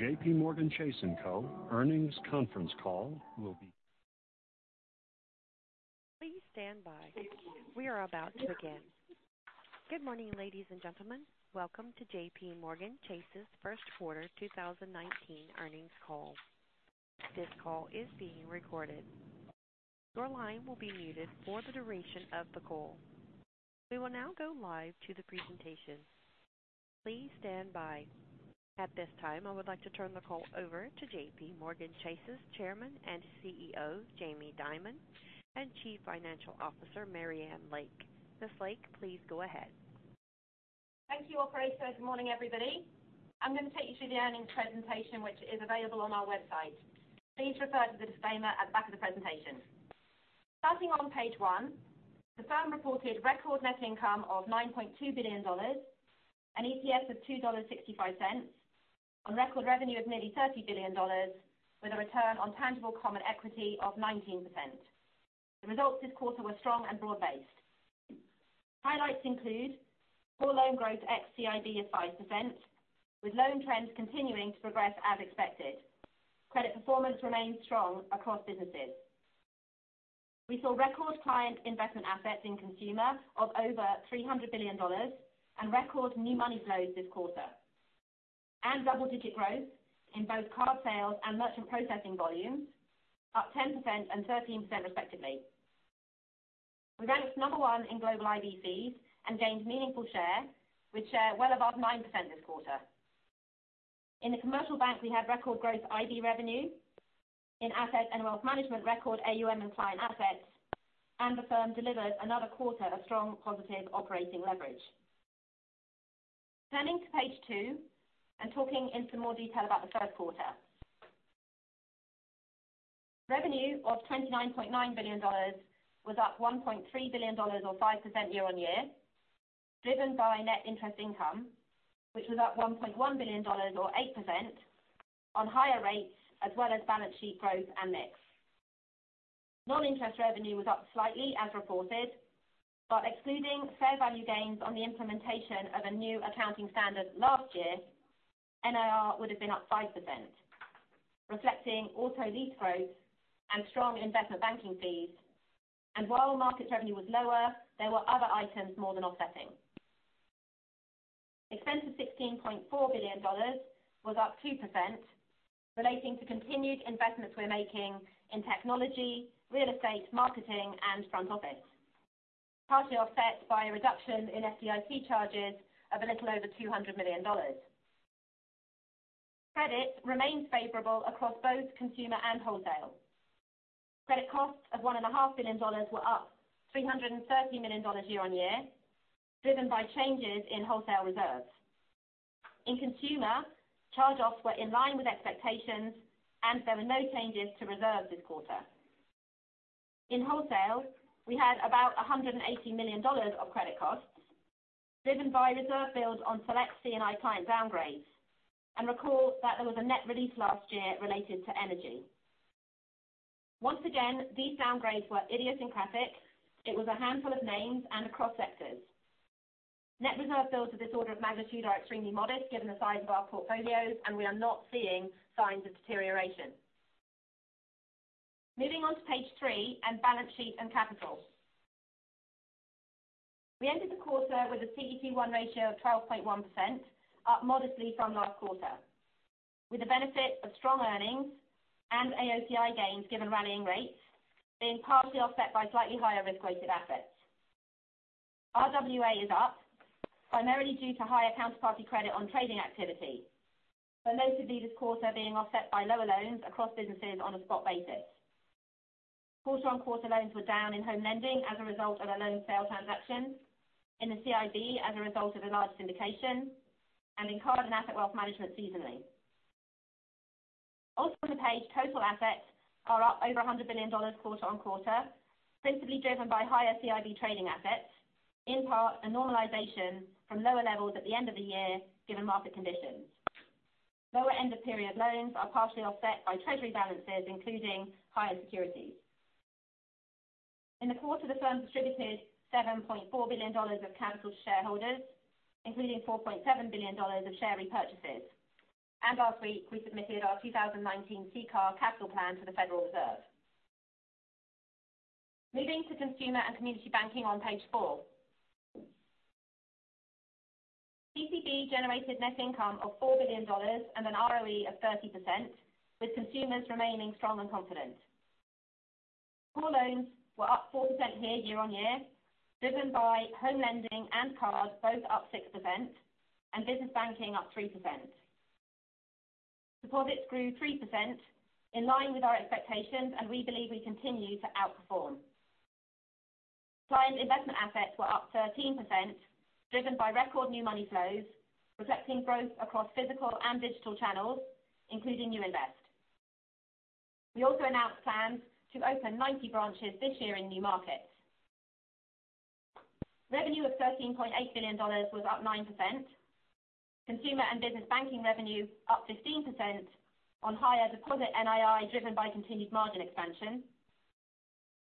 The JPMorgan Chase & Co. earnings conference call will be Please stand by. We are about to begin. Good morning, ladies and gentlemen. Welcome to JPMorgan Chase's first quarter 2019 earnings call. This call is being recorded. Your line will be muted for the duration of the call. We will now go live to the presentation. Please stand by. At this time, I would like to turn the call over to JPMorgan Chase's Chairman and CEO, Jamie Dimon, and Chief Financial Officer, Marianne Lake. Ms. Lake, please go ahead. Thank you, operator. Good morning, everybody. I'm going to take you through the earnings presentation, which is available on our website. Please refer to the disclaimer at the back of the presentation. Starting on page one, the firm reported record net income of $9.2 billion, an EPS of $2.65 on record revenue of nearly $30 billion with a return on tangible common equity of 19%. The results this quarter were strong and broad-based. Highlights include core loan growth ex-CIB of 5%, with loan trends continuing to progress as expected. Credit performance remains strong across businesses. We saw record client investment assets in consumer of over $300 billion and record new money flows this quarter, and double-digit growth in both card sales and merchant processing volumes, up 10% and 13% respectively. We ranked number one in global IB fees and gained meaningful share with share well above 9% this quarter. In the Commercial Bank, we had record growth IB revenue. In asset and wealth management, record AUM and client assets, and the firm delivered another quarter of strong positive operating leverage. Turning to page two and talking into more detail about the third quarter. Revenue of $29.9 billion was up $1.3 billion or 5% year-over-year, driven by net interest income, which was up $1.1 billion or 8% on higher rates as well as balance sheet growth and mix. Non-interest revenue was up slightly as reported, but excluding fair value gains on the implementation of a new accounting standard last year, NIR would have been up 5%, reflecting auto lease growth and strong investment banking fees. While markets revenue was lower, there were other items more than offsetting. Expense of $16.4 billion was up 2%, relating to continued investments we're making in technology, real estate, marketing, and front office, partly offset by a reduction in FDIC charges of a little over $200 million. Credit remains favorable across both consumer and wholesale. Credit costs of $1.5 billion were up $330 million year-on-year, driven by changes in wholesale reserves. In consumer, charge-offs were in line with expectations, and there were no changes to reserve this quarter. In wholesale, we had about $180 million of credit costs, driven by reserve builds on select C&I client downgrades, and recall that there was a net release last year related to energy. Once again, these downgrades were idiosyncratic. It was a handful of names and across sectors. Net reserve builds of this order of magnitude are extremely modest given the size of our portfolios, and we are not seeing signs of deterioration. Moving on to page three on balance sheet and capital. We ended the quarter with a CET1 ratio of 12.1%, up modestly from last quarter, with the benefit of strong earnings and AOCI gains given rallying rates, being partially offset by slightly higher risk-weighted assets. RWA is up, primarily due to higher counterparty credit on trading activity, notably this quarter being offset by lower loans across businesses on a spot basis. Quarter-on-quarter loans were down in home lending as a result of a loan sale transaction, in the CIB as a result of a large syndication, and in card and Asset and Wealth Management seasonally. Also to page, total assets are up over $100 billion quarter-on-quarter, principally driven by higher CIB trading assets, in part a normalization from lower levels at the end of the year given market conditions. Lower end of period loans are partially offset by treasury balances, including higher securities. In the quarter, the firm distributed $7.4 billion of capital to shareholders, including $4.7 billion of share repurchases. Last week, we submitted our 2019 CCAR capital plan to the Federal Reserve. Moving to consumer and community banking on page four. CCB generated net income of $4 billion and an ROE of 30%, with consumers remaining strong and confident. Core loans were up 4% here year-on-year, driven by home lending and cards both up 6%, and business banking up 3%. Deposits grew 3%, in line with our expectations, and we believe we continue to outperform. Client investment assets were up 13%, driven by record new money flows, reflecting growth across physical and digital channels, including You Invest. We also announced plans to open 90 branches this year in new markets. Revenue of $13.8 billion was up 9%. Consumer and business banking revenue up 15% on higher deposit NII, driven by continued margin expansion.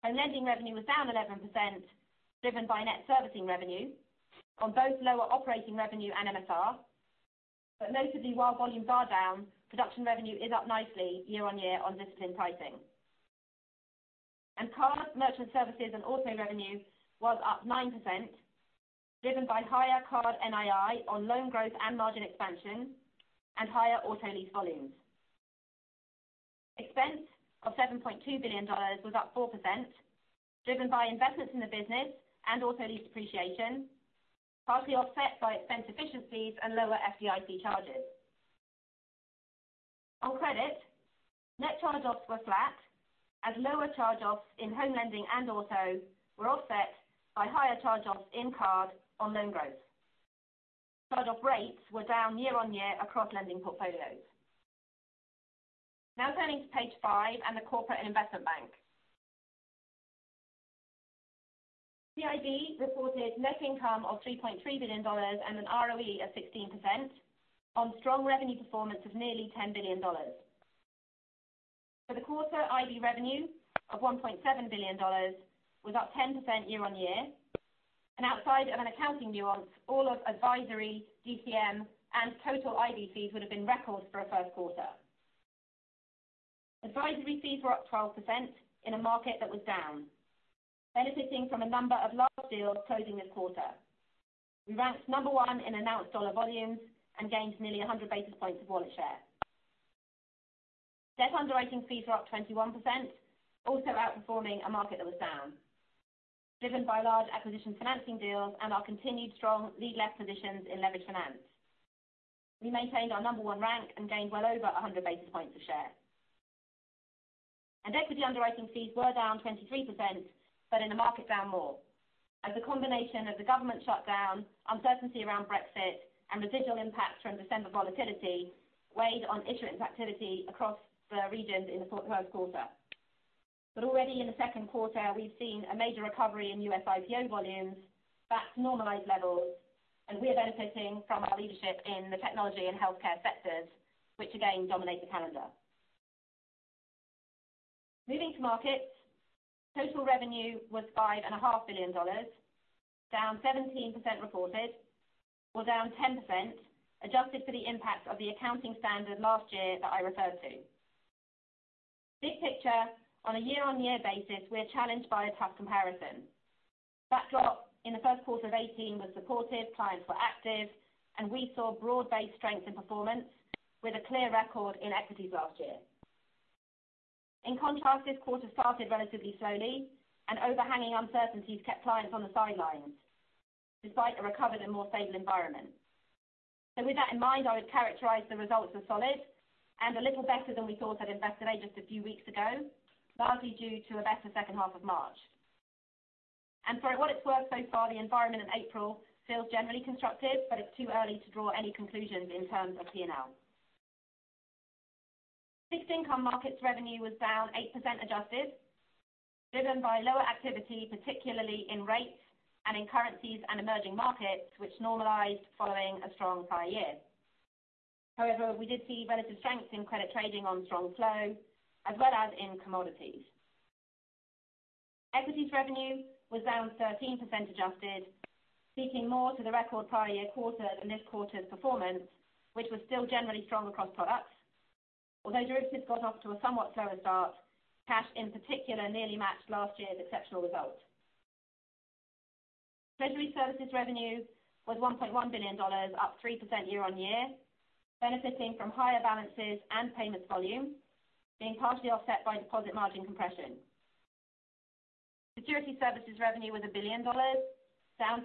Home lending revenue was down 11%, driven by net servicing revenue on both lower operating revenue and MSR. Notably, while volumes are down, production revenue is up nicely year-on-year on disciplined pricing. Card, merchant services, and auto revenue was up 9%, driven by higher card NII on loan growth and margin expansion, and higher auto lease volumes. Expense of $7.2 billion was up 4%, driven by investments in the business and auto lease depreciation, partially offset by expense efficiencies and lower FDIC charges. On credit, net charge-offs were flat as lower charge-offs in home lending and auto were offset by higher charge-offs in card on loan growth. Charge-off rates were down year-on-year across lending portfolios. Now turning to page five and the Corporate & Investment Bank. CIB reported net income of $3.3 billion and an ROE of 16% on strong revenue performance of nearly $10 billion. For the quarter, IB revenue of $1.7 billion was up 10% year-over-year, and outside of an accounting nuance, all of advisory, DCM, and total IB fees would have been records for a first quarter. Advisory fees were up 12% in a market that was down, benefiting from a number of large deals closing this quarter. We ranked number one in announced dollar volumes and gained nearly 100 basis points of wallet share. Debt underwriting fees were up 21%, also outperforming a market that was down, driven by large acquisition financing deals and our continued strong lead left positions in leveraged finance. We maintained our number one rank and gained well over 100 basis points of share. Equity underwriting fees were down 23%, in a market down more, as a combination of the government shutdown, uncertainty around Brexit, and residual impacts from December volatility weighed on issuance activity across the regions in the first quarter. Already in the second quarter, we've seen a major recovery in U.S. IPO volumes back to normalized levels, and we are benefiting from our leadership in the technology and healthcare sectors, which again dominate the calendar. Moving to markets, total revenue was $5.5 billion, down 17% reported, or down 10% adjusted for the impact of the accounting standard last year that I referred to. Big picture, on a year-over-year basis, we are challenged by a tough comparison. Backdrop in the first quarter of 2018 was supportive, clients were active, and we saw broad-based strength in performance with a clear record in equities last year. In contrast, this quarter started relatively slowly, and overhanging uncertainties kept clients on the sidelines despite a recovered and more stable environment. With that in mind, I would characterize the results as solid and a little better than we thought at Investor Day just a few weeks ago, largely due to a better second half of March. For what it's worth so far, the environment in April feels generally constructive, but it's too early to draw any conclusions in terms of P&L. Fixed income markets revenue was down 8% adjusted, driven by lower activity, particularly in rates and in currencies and emerging markets, which normalized following a strong prior year. However, we did see relative strength in credit trading on strong flow as well as in commodities. Equities revenue was down 13% adjusted, speaking more to the record prior year quarter than this quarter's performance, which was still generally strong across products. Although derivatives got off to a somewhat slower start, cash in particular nearly matched last year's exceptional result. Treasury Services revenue was $1.1 billion, up 3% year-over-year, benefiting from higher balances and payments volume, being partially offset by deposit margin compression. Securities Services revenue was $1 billion, down 4%,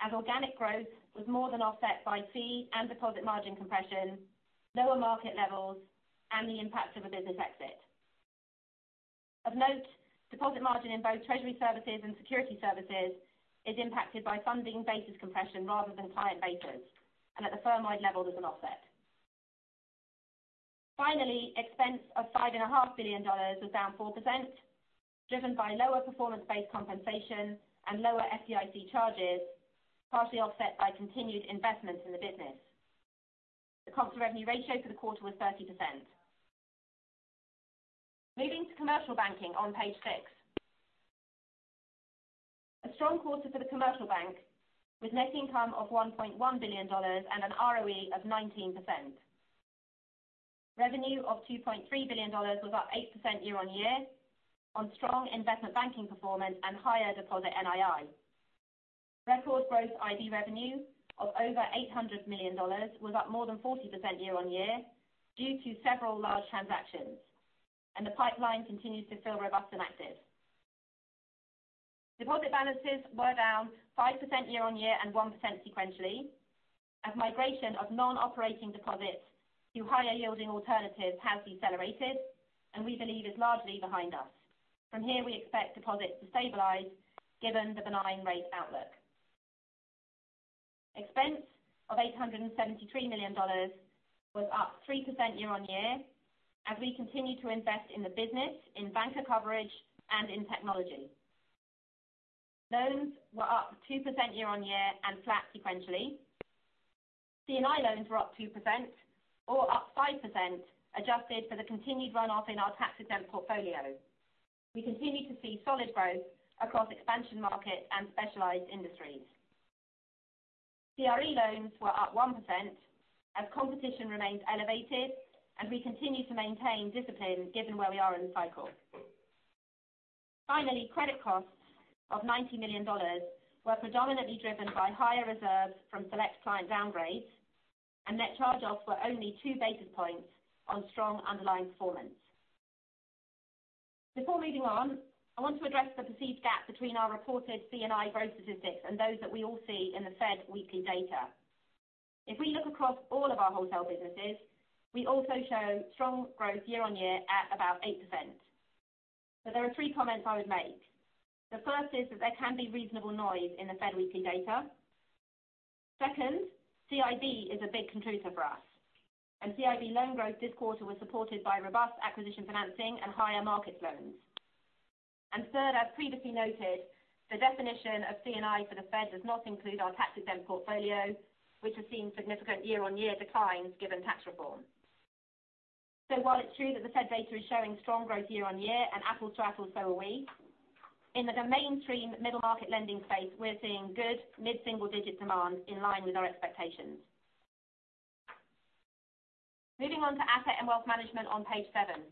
as organic growth was more than offset by fee and deposit margin compression, lower market levels, and the impact of a business exit. Of note, deposit margin in both treasury services and security services is impacted by funding basis compression rather than client basis, and at the firmwide level there's an offset. Finally, expense of $5.5 billion was down 4%, driven by lower performance-based compensation and lower FDIC charges, partially offset by continued investments in the business. The cost to revenue ratio for the quarter was 30%. Moving to commercial banking on page six. A strong quarter for the commercial bank with net income of $1.1 billion and an ROE of 19%. Revenue of $2.3 billion was up 8% year-on-year on strong investment banking performance and higher deposit NII. Record growth IB revenue of over $800 million was up more than 40% year-on-year due to several large transactions, and the pipeline continues to feel robust and active. Deposit balances were down 5% year-on-year and 1% sequentially as migration of non-operating deposits to higher yielding alternatives has decelerated, and we believe is largely behind us. From here, we expect deposits to stabilize given the benign rate outlook. Expense of $873 million was up 3% year-on-year as we continue to invest in the business, in banker coverage, and in technology. Loans were up 2% year-on-year and flat sequentially. C&I loans were up 2%, or up 5%, adjusted for the continued runoff in our tax-exempt portfolio. We continue to see solid growth across expansion markets and specialized industries. CRE loans were up 1%, as competition remains elevated, and we continue to maintain discipline given where we are in the cycle. Finally, credit costs of $90 million were predominantly driven by higher reserves from select client downgrades, and net charge-offs were only two basis points on strong underlying performance. Before moving on, I want to address the perceived gap between our reported C&I growth statistics and those that we all see in the Fed weekly data. If we look across all of our wholesale businesses, we also show strong growth year-on-year at about 8%. There are three comments I would make. The first is that there can be reasonable noise in the Fed weekly data. Second, CIB is a big contributor for us, and CIB loan growth this quarter was supported by robust acquisition financing and higher market loans. Third, as previously noted, the definition of C&I for the Fed does not include our tax-exempt portfolio, which has seen significant year-on-year declines given tax reform. While it's true that the Fed data is showing strong growth year-on-year, and apples to apples, so are we. In the mainstream middle-market lending space we're seeing good mid-single digit demand in line with our expectations. Moving on to asset and wealth management on page seven.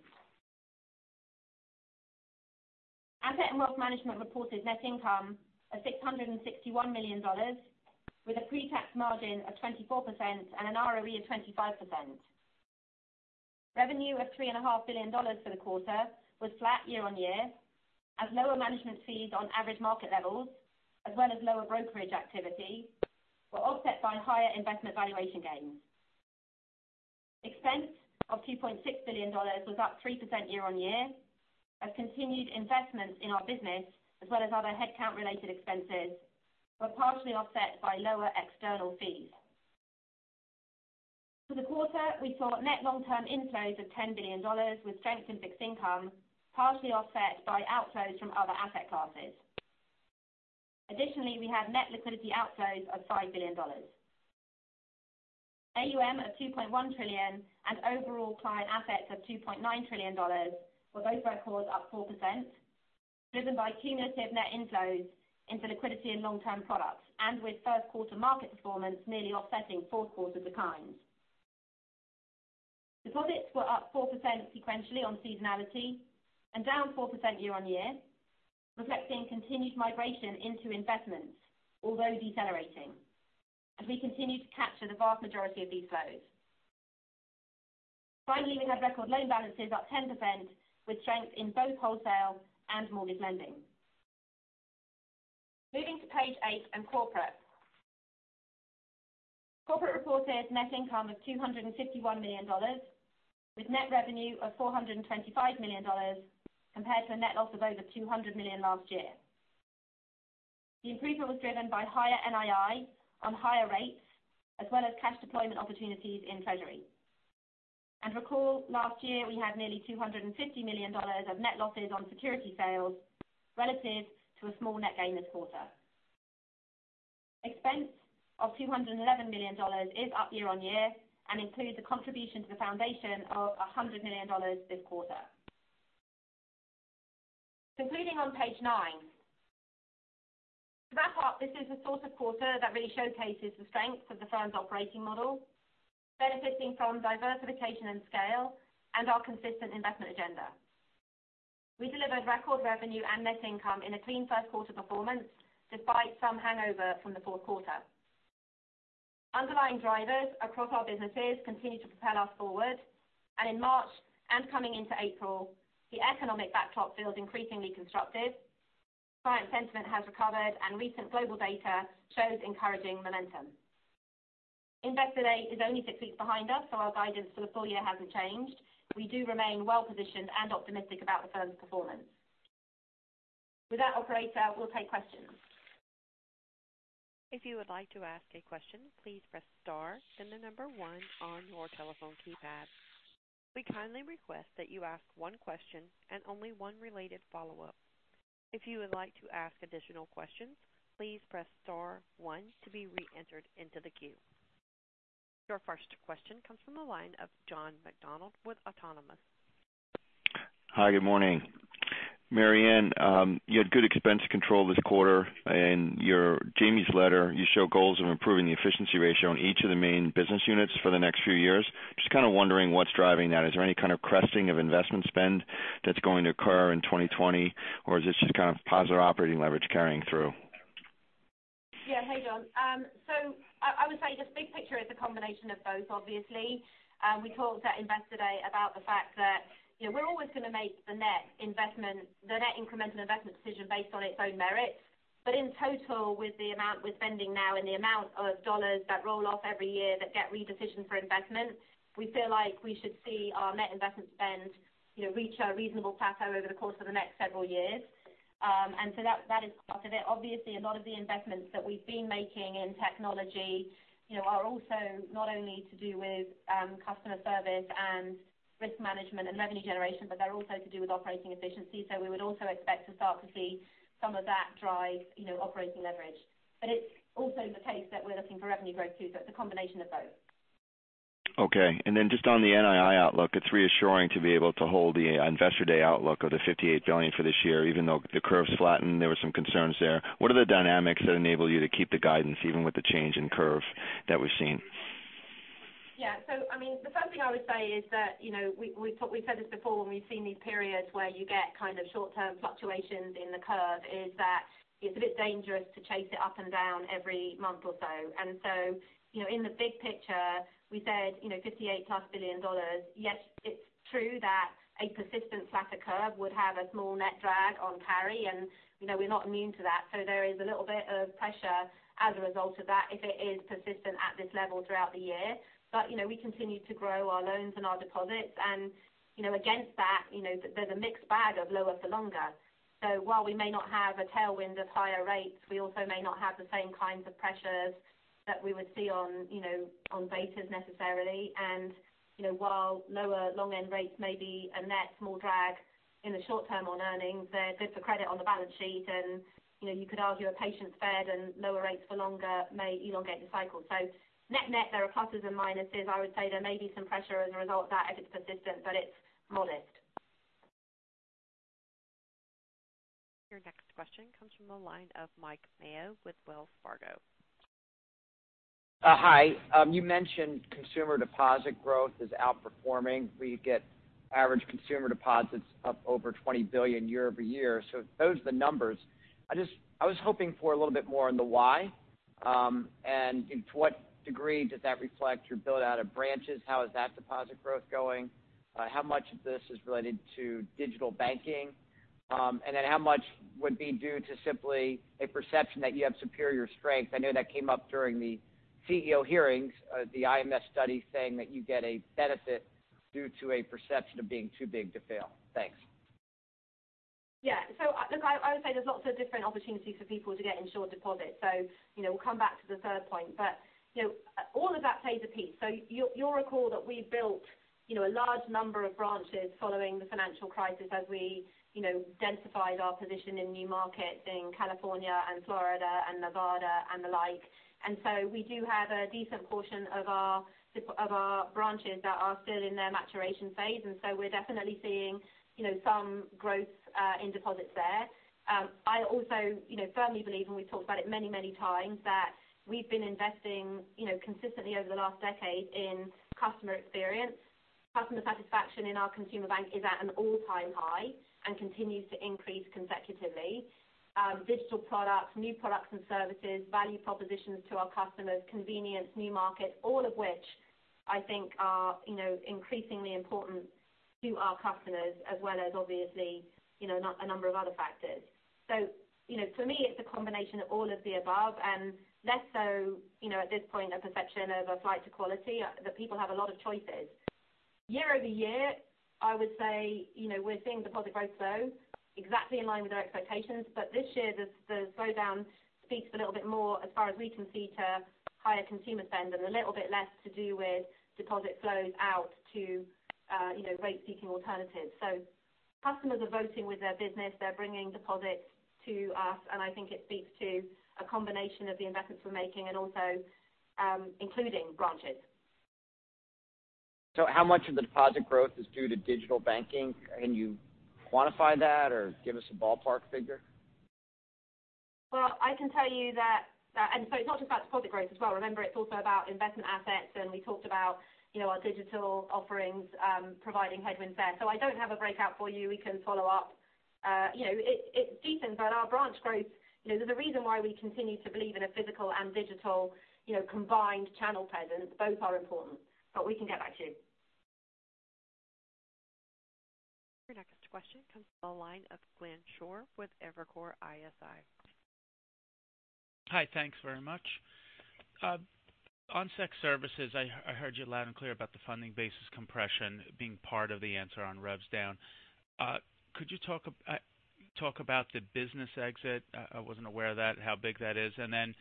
Asset and wealth management reported net income of $661 million, with a pre-tax margin of 24% and an ROE of 25%. Revenue of $3.5 billion for the quarter was flat year-on-year, as lower management fees on average market levels, as well as lower brokerage activity, were offset by higher investment valuation gains. Expense of $2.6 billion was up 3% year-on-year, as continued investments in our business, as well as other headcount-related expenses, were partially offset by lower external fees. For the quarter, we saw net long-term inflows of $10 billion with strength in fixed income, partially offset by outflows from other asset classes. Additionally, we had net liquidity outflows of $5 billion. AUM of $2.1 trillion and overall client assets of $2.9 trillion were both records up 4%, driven by cumulative net inflows into liquidity and long-term products, and with first quarter market performance nearly offsetting fourth quarter declines. Deposits were up 4% sequentially on seasonality and down 4% year-on-year, reflecting continued migration into investments, although decelerating, as we continue to capture the vast majority of these flows. Finally, we had record loan balances up 10%, with strength in both wholesale and mortgage lending. Moving to page eight and Corporate. Corporate reported net income of $251 million, with net revenue of $425 million, compared to a net loss of over $200 million last year. The improvement was driven by higher NII on higher rates, as well as cash deployment opportunities in treasury. Recall, last year we had nearly $250 million of net losses on security sales relative to a small net gain this quarter. Expense of $211 million is up year-on-year and includes a contribution to the foundation of $100 million this quarter. Concluding on page nine. To wrap up, this is the sort of quarter that really showcases the strength of the firm's operating model, benefiting from diversification and scale and our consistent investment agenda. We delivered record revenue and net income in a clean first quarter performance, despite some hangover from the fourth quarter. Underlying drivers across our businesses continue to propel us forward. In March and coming into April, the economic backdrop feels increasingly constructive. Client sentiment has recovered, and recent global data shows encouraging momentum. Investor Day is only six weeks behind us, Our guidance for the full year hasn't changed. We do remain well-positioned and optimistic about the firm's performance. With that, operator, we'll take questions. If you would like to ask a question, please press star, then the number 1 on your telephone keypad. We kindly request that you ask one question and only one related follow-up. If you would like to ask additional questions, please press star one to be re-entered into the queue. Your first question comes from the line of John McDonald with Autonomous. Hi, good morning. Marianne, you had good expense control this quarter. In Jamie's letter, you show goals of improving the efficiency ratio on each of the main business units for the next few years. Just kind of wondering what's driving that. Is there any kind of cresting of investment spend that's going to occur in 2020? Or is this just positive operating leverage carrying through? Yeah. Hey, John. I would say just big picture is a combination of both, obviously. We talked at Investor Day about the fact that we're always going to make the net incremental investment decision based on its own merits. In total, with the amount we're spending now and the amount of dollars that roll off every year that get re-decisioned for investment, we feel like we should see our net investment spend reach a reasonable plateau over the course of the next several years. That is part of it. Obviously, a lot of the investments that we've been making in technology are also not only to do with customer service and risk management and revenue generation, but they're also to do with operating efficiency. We would also expect to start to see some of that drive operating leverage. It's also the case that we're looking for revenue growth, too, it's a combination of both. Okay. Just on the NII outlook, it's reassuring to be able to hold the Investor Day outlook of the $58 billion for this year, even though the curve flattened, there were some concerns there. What are the dynamics that enable you to keep the guidance, even with the change in curve that we've seen? The first thing I would say is that, we've said this before, when we've seen these periods where you get short-term fluctuations in the curve is that it's a bit dangerous to chase it up and down every month or so. In the big picture, we said, $58 plus billion. Yes, it's true that a persistent flatter curve would have a small net drag on carry, and we're not immune to that. There is a little bit of pressure as a result of that if it is persistent at this level throughout the year. We continue to grow our loans and our deposits and against that, there's a mixed bag of lower for longer. While we may not have a tailwind of higher rates, we also may not have the same kinds of pressures that we would see on betas necessarily. While lower long end rates may be a net small drag in the short-term on earnings, they're good for credit on the balance sheet. You could argue a patient Fed and lower rates for longer may elongate the cycle. Net-net, there are pluses and minuses. I would say there may be some pressure as a result of that if it's persistent, but it's modest. Your next question comes from the line of Mike Mayo with Wells Fargo. Hi. You mentioned consumer deposit growth is outperforming. We get average consumer deposits up over $20 billion year-over-year. Those are the numbers. I was hoping for a little bit more on the why, and to what degree does that reflect your build-out of branches? How is that deposit growth going? How much of this is related to digital banking? How much would be due to simply a perception that you have superior strength? I know that came up during the CEO hearings, the IMF study saying that you get a benefit due to a perception of being too big to fail. Thanks. Yeah. Look, I would say there's lots of different opportunities for people to get insured deposits. We'll come back to the third point. All of that plays a piece. You'll recall that we built a large number of branches following the financial crisis as we densified our position in new markets in California and Florida and Nevada and the like. We do have a decent portion of our branches that are still in their maturation phase, and we're definitely seeing some growth in deposits there. I also firmly believe, and we've talked about it many times, that we've been investing consistently over the last decade in customer experience. Customer satisfaction in our consumer bank is at an all-time high and continues to increase consecutively. Digital products, new products and services, value propositions to our customers, convenience, new markets, all of which I think are increasingly important to our customers as well as obviously, a number of other factors. For me, it's a combination of all of the above and less so, at this point, a perception of a flight to quality, that people have a lot of choices. Year-over-year, I would say, we're seeing deposit growth slow, exactly in line with our expectations. This year, the slowdown speaks a little bit more as far as we can see to higher consumer spend and a little bit less to do with deposit flows out to rate-seeking alternatives. Customers are voting with their business. They're bringing deposits to us, and I think it speaks to a combination of the investments we're making and also including branches. How much of the deposit growth is due to digital banking? Can you quantify that or give us a ballpark figure? Well, I can tell you that it's not just about deposit growth as well. Remember, it's also about investment assets, and we talked about our digital offerings providing headwinds there. I don't have a breakout for you. We can follow up. It deepens. Our branch growth, there's a reason why we continue to believe in a physical and digital combined channel presence. Both are important. We can get back to you. Your next question comes from the line of Glenn Schorr with Evercore ISI. Hi, thanks very much. On SEC services, I heard you loud and clear about the funding basis compression being part of the answer on revs down. Could you talk about the business exit? I wasn't aware of that, how big that is. Then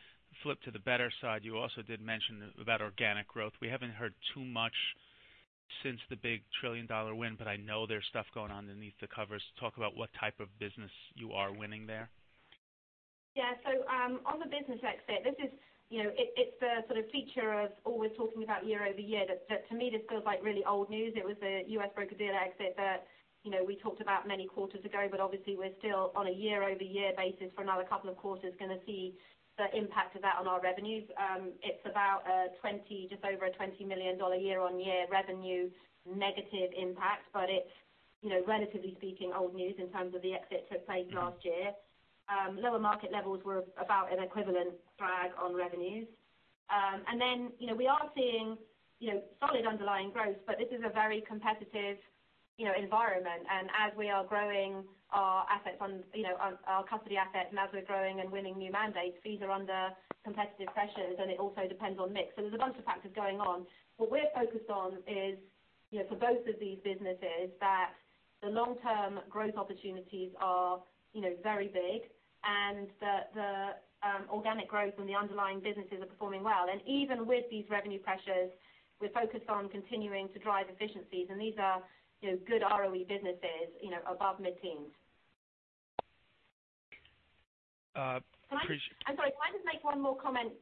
flip to the better side, you also did mention about organic growth. We haven't heard too much since the big $1 trillion win, but I know there's stuff going on underneath the covers. Talk about what type of business you are winning there. On the business exit, it's the feature of always talking about year-over-year, that to me, this feels like really old news. It was a U.S. broker-dealer exit that we talked about many quarters ago, but obviously we're still on a year-over-year basis for another couple of quarters, going to see the impact of that on our revenues. It's about just over a $20 million year-on-year revenue negative impact, but it's relatively speaking, old news in terms of the exits that took place last year. Lower market levels were about an equivalent drag on revenues. Then, we are seeing solid underlying growth, but this is a very competitive environment. As we are growing our custody assets, and as we're growing and winning new mandates, fees are under competitive pressures, and it also depends on mix. There's a bunch of factors going on. What we're focused on is, for both of these businesses, the long-term growth opportunities are very big, and the organic growth and the underlying businesses are performing well. Even with these revenue pressures, we're focused on continuing to drive efficiencies. These are good ROE businesses above mid-teens. Appreciate- I'm sorry, if I could just make one more comment.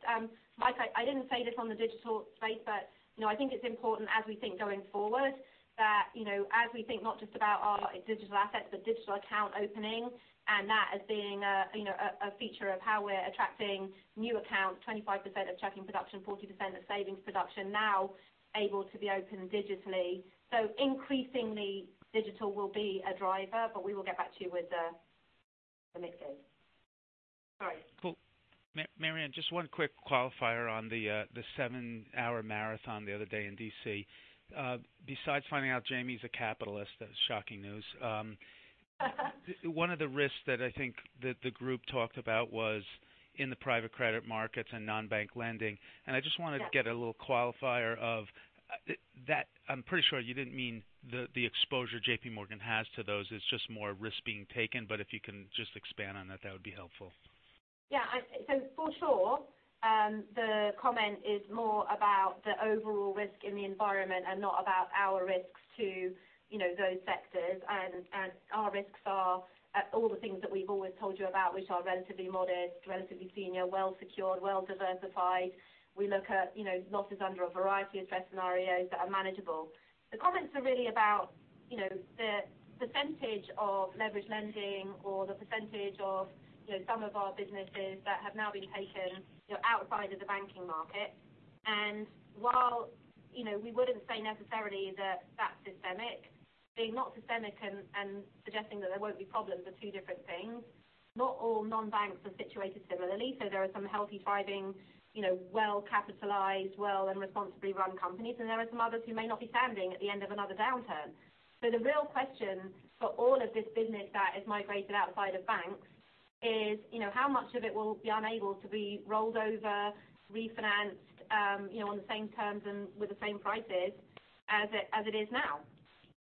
Mike Mayo, I didn't say this on the digital space, I think it's important as we think going forward that as we think not just about our digital assets, but digital account opening, and that as being a feature of how we're attracting new accounts, 25% of checking production, 40% of savings production now able to be opened digitally. Increasingly, digital will be a driver, but we will get back to you with the mixes. Sorry. Cool. Marianne Lake, just one quick qualifier on the seven-hour marathon the other day in D.C. Besides finding out Jamie Dimon's a capitalist, that was shocking news. One of the risks that I think that the group talked about was in the private credit markets and non-bank lending. I just wanted to get a little qualifier of that. I'm pretty sure you didn't mean the exposure JPMorgan has to those is just more risk being taken. If you can just expand on that would be helpful. Yeah. For sure, the comment is more about the overall risk in the environment and not about our risks to those sectors. Our risks are at all the things that we've always told you about, which are relatively modest, relatively senior, well-secured, well diversified. We look at losses under a variety of stress scenarios that are manageable. The comments are really about the percentage of leveraged lending or the percentage of some of our businesses that have now been taken outside of the banking market. While we wouldn't say necessarily that that's systemic, being not systemic and suggesting that there won't be problems are two different things. Not all non-banks are situated similarly. There are some healthy, thriving, well-capitalized, well and responsibly run companies. There are some others who may not be standing at the end of another downturn. The real question for all of this business that has migrated outside of banks is how much of it will be unable to be rolled over, refinanced on the same terms and with the same prices as it is now.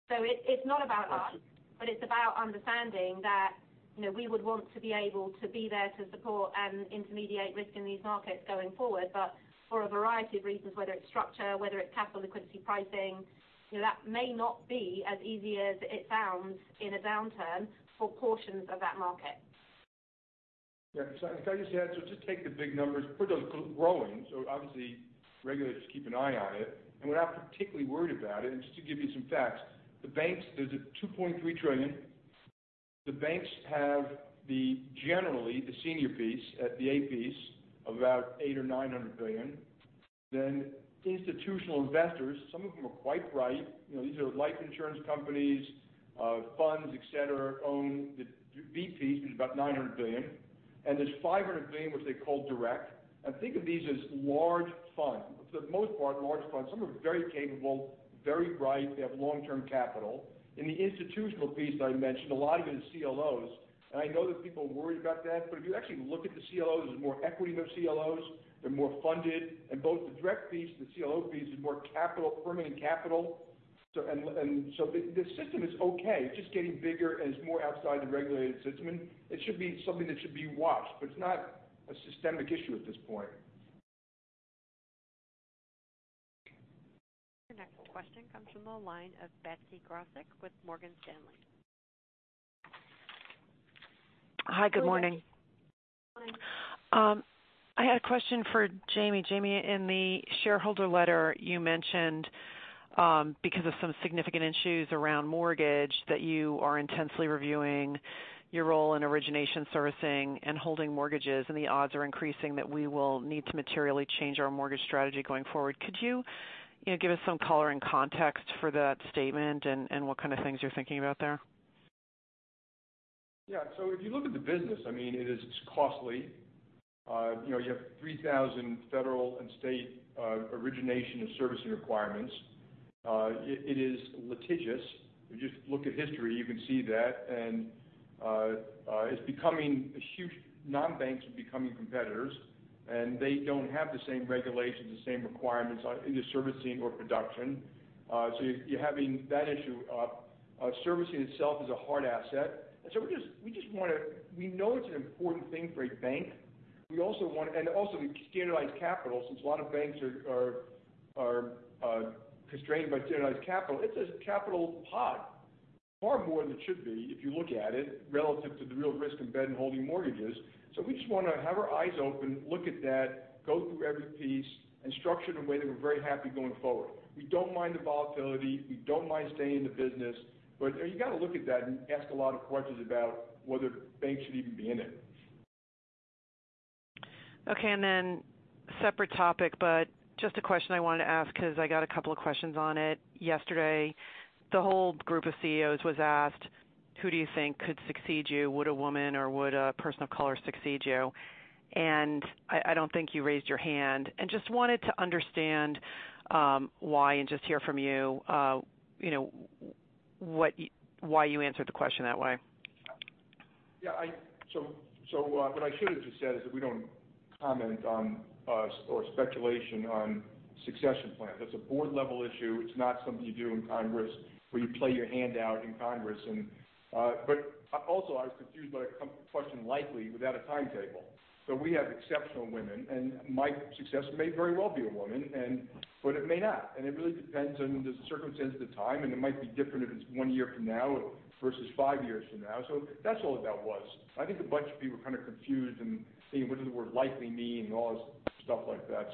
It's not about us, it's about understanding that we would want to be able to be there to support and intermediate risk in these markets going forward. For a variety of reasons, whether it's structure, whether it's capital liquidity pricing, that may not be as easy as it sounds in a downturn for portions of that market. Yeah. Can I just add, just take the big numbers, put those growing. Obviously, regulators keep an eye on it. We're not particularly worried about it. Just to give you some facts, there's a $2.3 trillion. The banks have generally the senior piece at the A piece of about $800 billion or $900 billion. Institutional investors, some of them are quite right. These are life insurance companies, funds, et cetera, own the B piece, which is about $900 billion. There's $500 billion, which they call direct. Think of these as large funds. For the most part, large funds. Some of them are very capable, very bright. They have long-term capital. In the institutional piece that I mentioned, a lot of it is CLOs. I know that people are worried about that. If you actually look at the CLOs, there's more equity in those CLOs. They're more funded. Both the direct piece and the CLO piece is more capital, permanent capital. The system is okay. It's just getting bigger and it's more outside the regulated system. It should be something that should be watched, but it's not a systemic issue at this point. Your next question comes from the line of Betsy Graseck with Morgan Stanley. Hi, good morning. Go ahead. I had a question for Jamie. Jamie, in the shareholder letter, you mentioned, because of some significant issues around mortgage, that you are intensely reviewing your role in origination servicing and holding mortgages, and the odds are increasing that we will need to materially change our mortgage strategy going forward. Could you give us some color and context for that statement and what kind of things you're thinking about there? Yeah. If you look at the business, it is costly. You have 3,000 federal and state origination and servicing requirements. It is litigious. If you just look at history, you can see that. Non-banks are becoming competitors, and they don't have the same regulations, the same requirements in the servicing or production. You're having that issue. Servicing itself is a hard asset. We know it's an important thing for a bank. Also, we standardized capital since a lot of banks are constrained by standardized capital. It's a capital pod. Far more than it should be if you look at it relative to the real risk embedded in holding mortgages. We just want to have our eyes open, look at that, go through every piece, and structure it in a way that we're very happy going forward. We don't mind the volatility. We don't mind staying in the business. You got to look at that and ask a lot of questions about whether banks should even be in it. Okay. Separate topic, just a question I wanted to ask because I got a couple of questions on it. Yesterday, the whole group of CEOs was asked, who do you think could succeed you? Would a woman or would a person of color succeed you? I don't think you raised your hand. Just wanted to understand why and just hear from you why you answered the question that way. Yeah. What I should have just said is that we don't comment on, or speculation on succession plans. That's a board level issue. It's not something you do in Congress where you play your hand out in Congress. Also, I was confused by the question likely without a timetable. We have exceptional women and my successor may very well be a woman, but it may not. It really depends on the circumstance at the time, and it might be different if it's one year from now versus five years from now. That's all that was. I think a bunch of people were kind of confused and saying, what does the word likely mean and all this stuff like that.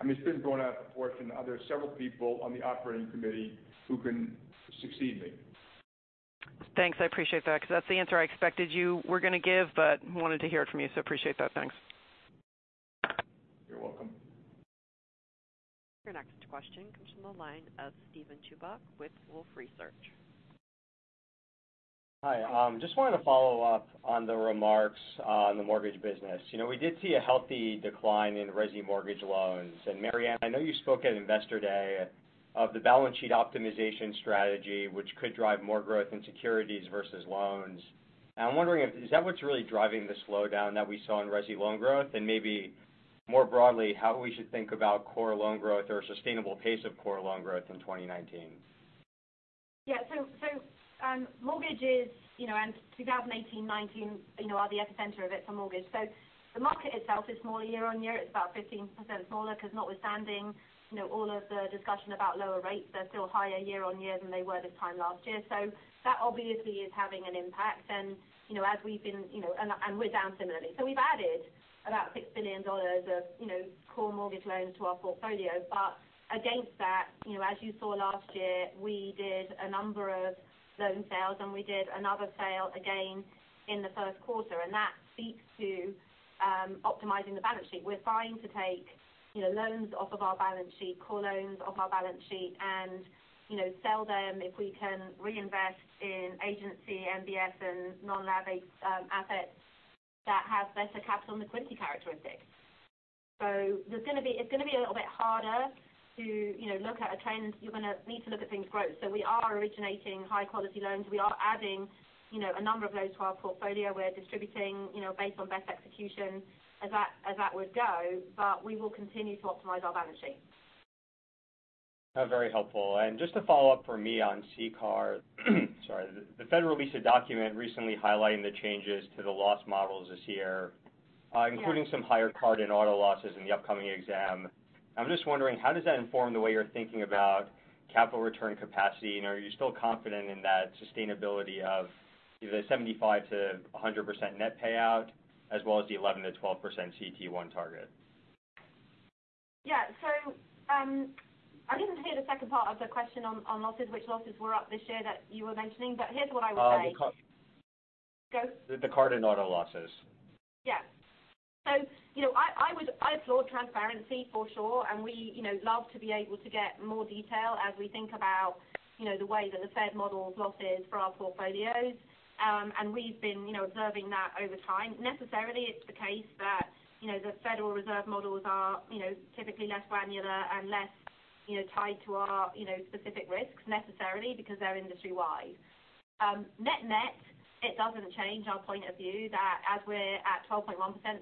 It's been blown out of proportion. There are several people on the Operating Committee who can succeed me. Thanks. I appreciate that because that's the answer I expected you were going to give, but wanted to hear it from you, so appreciate that. Thanks. You're welcome. Your next question comes from the line of Steven Chubak with Wolfe Research. Hi, just wanted to follow up on the remarks on the mortgage business. We did see a healthy decline in resi mortgage loans. Marianne, I know you spoke at Investor Day of the balance sheet optimization strategy, which could drive more growth in securities versus loans. I'm wondering, is that what's really driving the slowdown that we saw in resi loan growth? Maybe more broadly, how we should think about core loan growth or sustainable pace of core loan growth in 2019? Yeah. Mortgages, and 2018-2019, are the epicenter of it for mortgage. The market itself is smaller year-on-year. It's about 15% smaller because notwithstanding, all of the discussion about lower rates, they're still higher year-on-year than they were this time last year. That obviously is having an impact. We're down similarly. We've added about $6 billion of core mortgage loans to our portfolio. Against that, as you saw last year, we did a number of loan sales, we did another sale again in the first quarter. That speaks to optimizing the balance sheet. We're trying to take loans off of our balance sheet, core loans off our balance sheet, and sell them if we can reinvest in agency MBS and non-HQLA assets that have better capital liquidity characteristics. It's going to be a little bit harder to look at a trend. You're going to need to look at things growth. We are originating high quality loans. We are adding a number of those to our portfolio. We're distributing based on best execution as that would go, but we will continue to optimize our balance sheet. Very helpful. Just a follow-up for me on CCAR. Sorry. The Fed released a document recently highlighting the changes to the loss models this year. Yeah including some higher card and auto losses in the upcoming exam. I'm just wondering, how does that inform the way you're thinking about capital return capacity, and are you still confident in that sustainability of the 75%-100% net payout as well as the 11%-12% CET1 target? Yeah. I didn't hear the second part of the question on losses, which losses were up this year that you were mentioning, but here's what I would say. The card. Go. The card and auto losses. Yeah. I applaud transparency for sure, and we love to be able to get more detail as we think about the way that the Fed models losses for our portfolios. We've been observing that over time. Necessarily, it's the case that the Federal Reserve models are typically less granular and less tied to our specific risks necessarily because they're industry-wide. Net-net, it doesn't change our point of view that as we're at 12.1%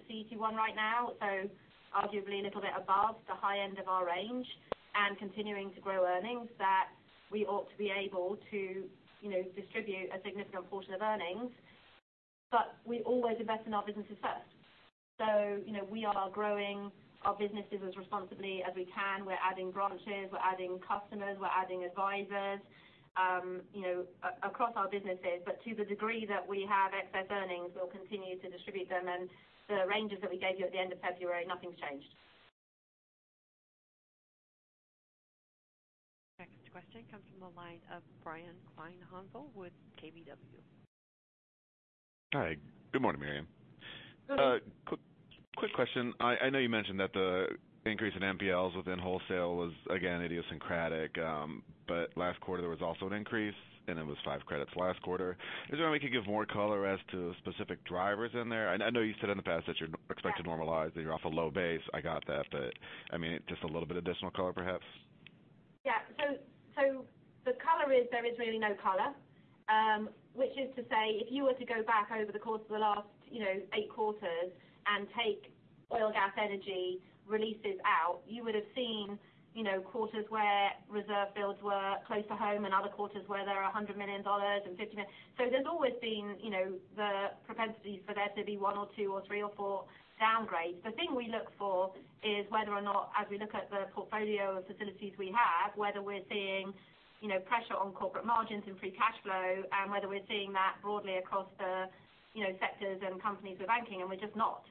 CET1 right now, so arguably a little bit above the high end of our range and continuing to grow earnings that we ought to be able to distribute a significant portion of earnings. We always invest in our businesses first. We are growing our businesses as responsibly as we can. We're adding branches, we're adding customers, we're adding advisors across our businesses. To the degree that we have excess earnings, we'll continue to distribute them. The ranges that we gave you at the end of February, nothing's changed. Next question comes from the line of Brian Kleinhanzl with KBW. Hi. Good morning, Marianne. Good morning. Quick question. I know you mentioned that the increase in NPLs within wholesale was again idiosyncratic. Last quarter there was also an increase, and it was five credits last quarter. Is there any way you could give more color as to specific drivers in there? I know you said in the past that you're expecting to normalize, that you're off a low base. I got that, but just a little bit additional color, perhaps. Yeah. The color is there is really no color, which is to say, if you were to go back over the course of the last eight quarters and take oil, gas, energy releases out, you would have seen quarters where reserve builds were close to home and other quarters where there are $100 million and $50 million. There's always been the propensity for there to be one or two or three or four downgrades. The thing we look for is whether or not, as we look at the portfolio of facilities we have, whether we're seeing pressure on corporate margins and free cash flow, and whether we're seeing that broadly across the sectors and companies we're banking, and we're just not.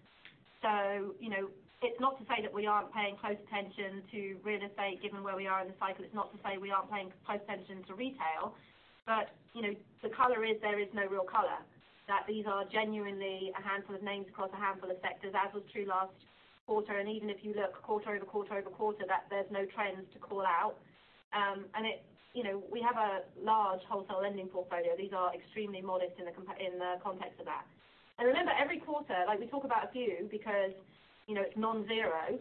It's not to say that we aren't paying close attention to real estate, given where we are in the cycle. It's not to say we aren't paying close attention to retail, the color is there is no real color. These are genuinely a handful of names across a handful of sectors, as was true last quarter. Even if you look quarter-over-quarter-over-quarter, there's no trends to call out. We have a large wholesale lending portfolio. These are extremely modest in the context of that. Remember, every quarter, we talk about a few because it's non-zero.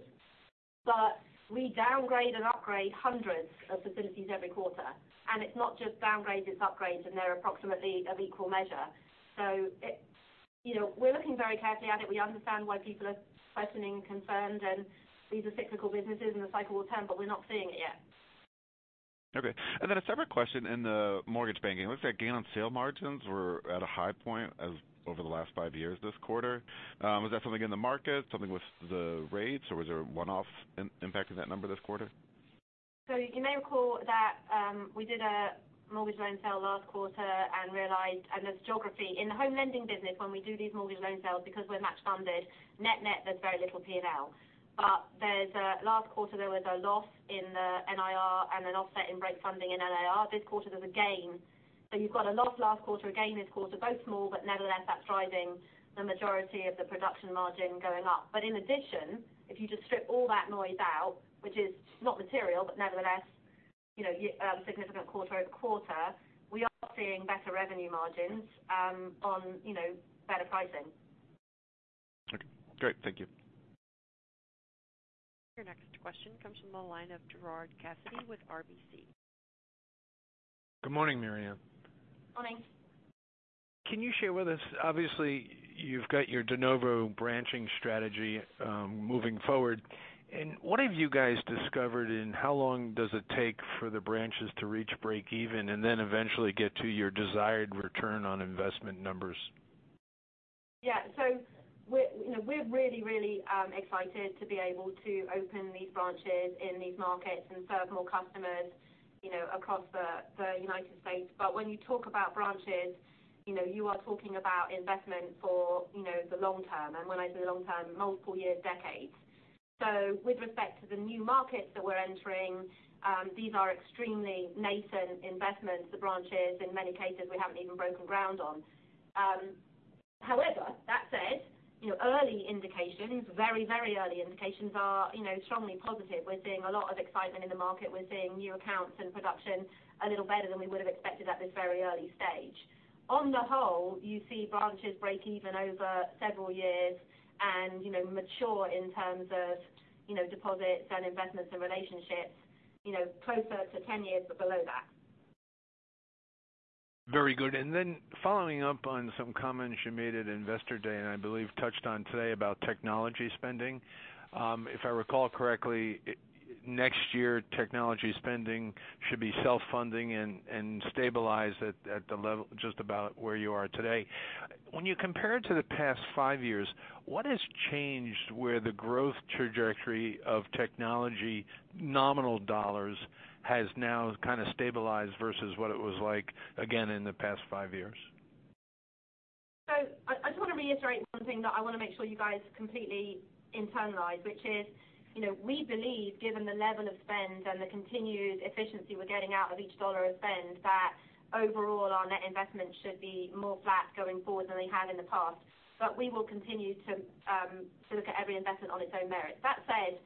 But we downgrade and upgrade hundreds of facilities every quarter. It's not just downgrades, it's upgrades, and they're approximately of equal measure. We're looking very carefully at it. We understand why people are questioning concerns. These are cyclical businesses and the cycle will turn, but we're not seeing it yet. Okay. Then a separate question in the mortgage banking. It looks like gain on sale margins were at a high point over the last five years this quarter. Is that something in the market, something with the rates, or was there a one-off impact in that number this quarter? You may recall that we did a mortgage loan sale last quarter and realized, and there's geography. In the home lending business, when we do these mortgage loan sales, because we're match funded, net-net, there's very little P&L. Last quarter, there was a loss in the NIR and an offset in rate funding in NIR. This quarter, there's a gain. You've got a loss last quarter, a gain this quarter, both small, but nevertheless, that's driving the majority of the production margin going up. In addition, if you just strip all that noise out, which is not material, but nevertheless, significant quarter-over-quarter, we are seeing better revenue margins on better pricing. Okay, great. Thank you. Your next question comes from the line of Gerard Cassidy with RBC. Good morning, Marianne. Morning. Can you share with us, obviously, you've got your de novo branching strategy moving forward. What have you guys discovered, and how long does it take for the branches to reach break even and then eventually get to your desired return on investment numbers? Yeah. We're really excited to be able to open these branches in these markets and serve more customers across the United States. When you talk about branches, you are talking about investment for the long term. When I say the long term, multiple years, decades. With respect to the new markets that we're entering, these are extremely nascent investments, the branches, in many cases, we haven't even broken ground on. However, that said, early indications, very early indications are strongly positive. We're seeing a lot of excitement in the market. We're seeing new accounts and production a little better than we would have expected at this very early stage. On the whole, you see branches break even over several years and mature in terms of deposits and investments and relationships, closer to 10 years, but below that. Very good. Following up on some comments you made at Investor Day, and I believe touched on today about technology spending. If I recall correctly, next year, technology spending should be self-funding and stabilized at just about where you are today. When you compare to the past five years, what has changed where the growth trajectory of technology nominal dollars has now kind of stabilized versus what it was like, again, in the past five years? I just want to reiterate one thing that I want to make sure you guys completely internalize, which is we believe, given the level of spend and the continued efficiency we're getting out of each dollar of spend, that overall our net investment should be more flat going forward than they have in the past. We will continue to look at every investment on its own merit. That said,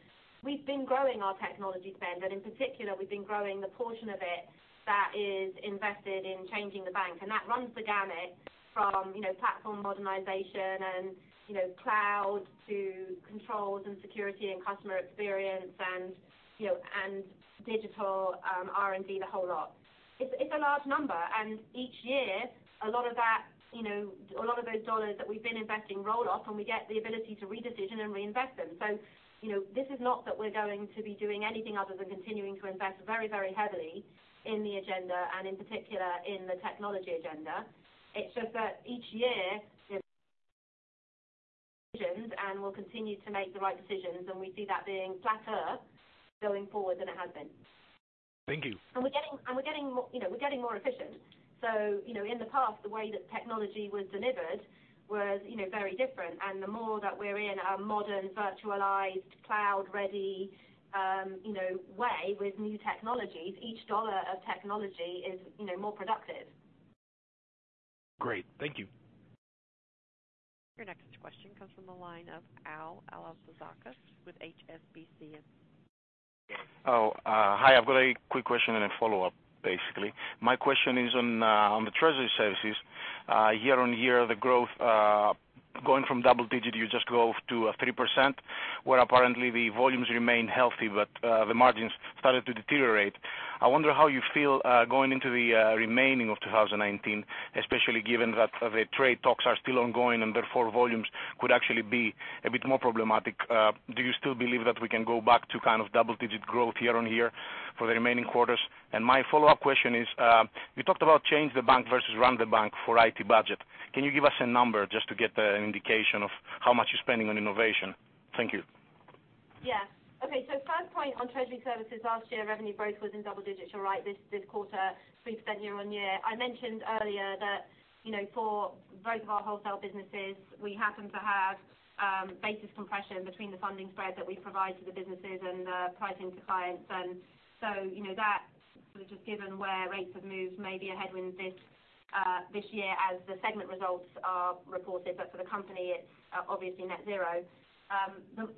we've been growing our technology spend, and in particular, we've been growing the portion of it that is invested in changing the bank. That runs the gamut from platform modernization and cloud to controls and security and customer experience and digital R&D, the whole lot. It's a large number. Each year, a lot of those dollars that we've been investing roll off, and we get the ability to re-decision and reinvest them. This is not that we're going to be doing anything other than continuing to invest very heavily in the agenda and, in particular, in the technology agenda. It's just that each year, we make decisions. We'll continue to make the right decisions, and we see that being flatter going forward than it has been. Thank you. We're getting more efficient. In the past, the way that technology was delivered was very different. The more that we're in a modern, virtualized, cloud-ready way with new technologies, each dollar of technology is more productive. Great. Thank you. Your next question comes from the line of Alevizos Alevizakos with HSBC. Hi. I've got a quick question and a follow-up, basically. My question is on the treasury services. Year-over-year, the growth going from double-digit, you just go to 3%, where apparently the volumes remain healthy, but the margins started to deteriorate. I wonder how you feel going into the remaining of 2019, especially given that the trade talks are still ongoing and therefore volumes could actually be a bit more problematic. Do you still believe that we can go back to double-digit growth year-over-year for the remaining quarters? My follow-up question is, you talked about change the bank versus run the bank for IT budget. Can you give us a number just to get an indication of how much you're spending on innovation? Thank you. Okay, first point on treasury services, last year revenue growth was in double digits. You're right. This quarter, 3% year-on-year. I mentioned earlier that for both of our wholesale businesses, we happen to have basis compression between the funding spread that we provide to the businesses and the pricing to clients. That, just given where rates have moved, may be a headwind this year as the segment results are reported. For the company, it's obviously net zero.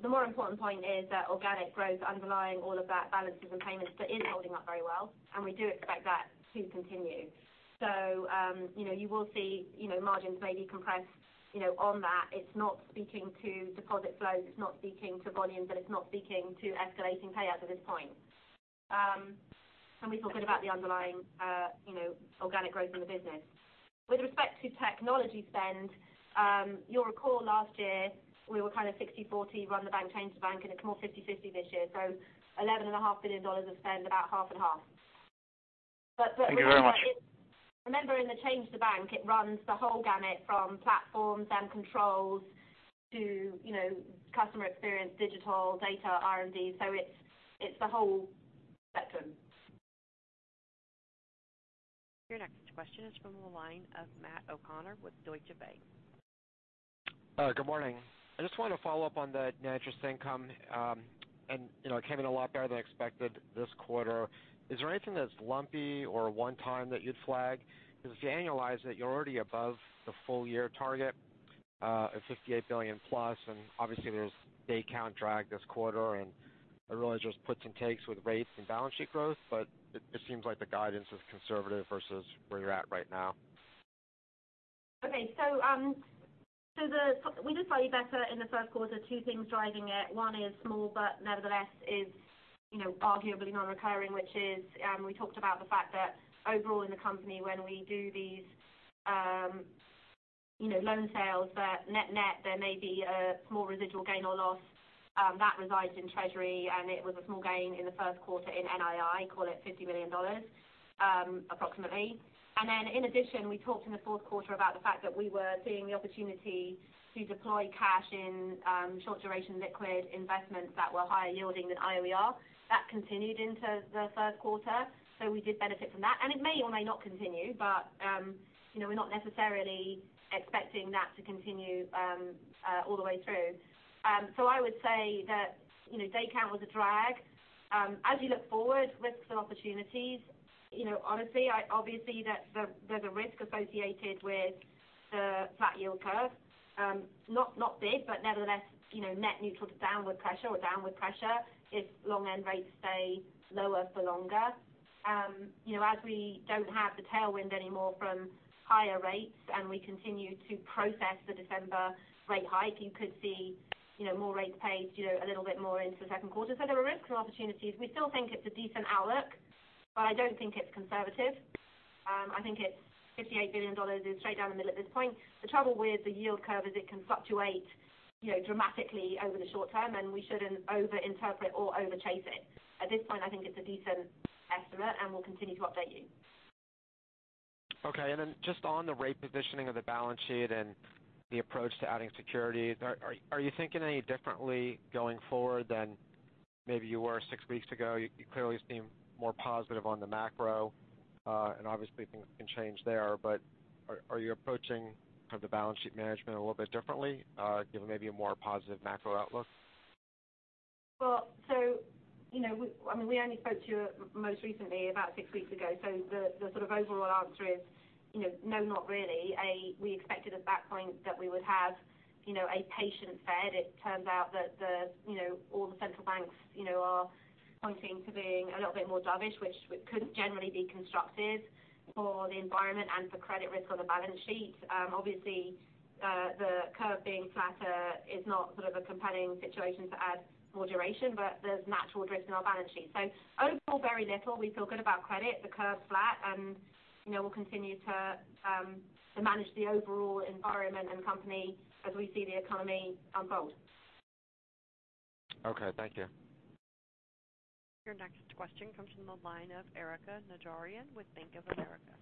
The more important point is that organic growth underlying all of that balances and payments is holding up very well, and we do expect that to continue. You will see margins may be compressed on that. It's not speaking to deposit flows. It's not speaking to volumes, and it's not speaking to escalating payouts at this point. We feel good about the underlying organic growth in the business. With respect to technology spend, you'll recall last year we were 60/40 run the bank, change the bank, and it's more 50/50 this year. $11.5 billion of spend, about half and half. Thank you very much. Remember, in the change the bank, it runs the whole gamut from platforms and controls to customer experience, digital, data, R&D. It's the whole spectrum. Your next question is from the line of Matthew O'Connor with Deutsche Bank. Good morning. I just wanted to follow up on the net interest income. It came in a lot better than expected this quarter. Is there anything that's lumpy or one time that you'd flag? Because if you annualize it, you're already above the full-year target of $58 billion plus. Obviously there's day count drag this quarter. There really just puts and takes with rates and balance sheet growth, but it seems like the guidance is conservative versus where you're at right now. Okay. We did slightly better in the first quarter, two things driving it. One is small, but nevertheless is arguably non-recurring, which is, we talked about the fact that overall in the company when we do these loan sales, that net there may be a small residual gain or loss that resides in treasury, and it was a small gain in the first quarter in NII, call it $50 million, approximately. Then in addition, we talked in the fourth quarter about the fact that we were seeing the opportunity to deploy cash in short duration liquid investments that were higher yielding than IOER. That continued into the first quarter, so we did benefit from that. It may or may not continue, but we're not necessarily expecting that to continue all the way through. I would say that day count was a drag. As we look forward, risks and opportunities, honestly, obviously there's a risk associated with the flat yield curve. Not big, but nevertheless, net neutral to downward pressure or downward pressure if long end rates stay lower for longer. As we don't have the tailwind anymore from higher rates, and we continue to process the December rate hike, you could see more rates paid a little bit more into the second quarter. There are risks and opportunities. We still think it's a decent outlook, but I don't think it's conservative. I think it's $58 billion is straight down the middle at this point. The trouble with the yield curve is it can fluctuate dramatically over the short term, we shouldn't over-interpret or over-chase it. At this point, I think it's a decent estimate, and we'll continue to update you. Okay. Then just on the rate positioning of the balance sheet and the approach to adding securities, are you thinking any differently going forward than maybe you were 6 weeks ago? You clearly seem more positive on the macro, and obviously things can change there, but are you approaching the balance sheet management a little bit differently, given maybe a more positive macro outlook? Well, we only spoke to you most recently about 6 weeks ago. The overall answer is, no, not really. We expected at that point that we would have a patient Fed. It turns out that all the central banks are pointing to being a little bit more dovish, which could generally be constructive for the environment and for credit risk on the balance sheet. Obviously, the curve being flatter is not a compelling situation to add more duration, but there's natural drift in our balance sheet. Overall, very little. We feel good about credit. The curve's flat, and we'll continue to manage the overall environment and company as we see the economy unfold. Okay. Thank you. Your next question comes from the line of Erika Najarian with Bank of America.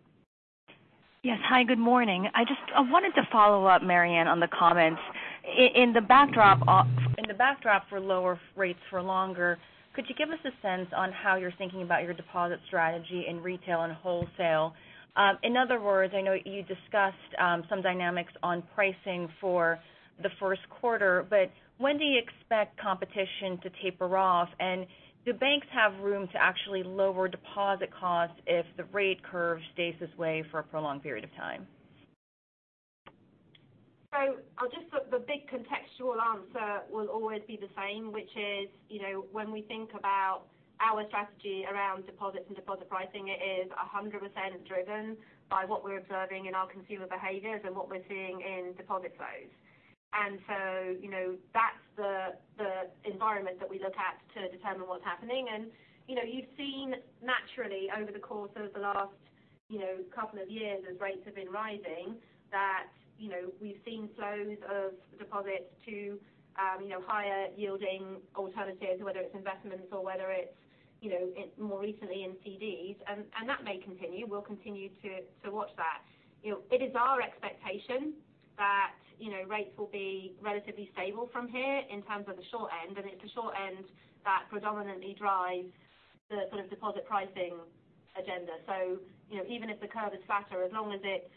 Yes. Hi, good morning. I wanted to follow up, Marianne, on the comments. In the backdrop for lower rates for longer, could you give us a sense on how you're thinking about your deposit strategy in retail and wholesale? In other words, I know you discussed some dynamics on pricing for the first quarter, when do you expect competition to taper off? Do banks have room to actually lower deposit costs if the rate curve stays this way for a prolonged period of time? The big contextual answer will always be the same, which is when we think about our strategy around deposits and deposit pricing, it is 100% driven by what we're observing in our consumer behaviors and what we're seeing in deposit flows. That's the environment that we look at to determine what's happening. You've seen naturally over the course of the last couple of years as rates have been rising, that we've seen flows of deposits to higher yielding alternatives, whether it's investments or whether it's more recently in CDs. That may continue. We'll continue to watch that. It is our expectation that rates will be relatively stable from here in terms of the short end, and it's the short end that predominantly drives the deposit pricing agenda. Even if the curve is flatter, as long as it's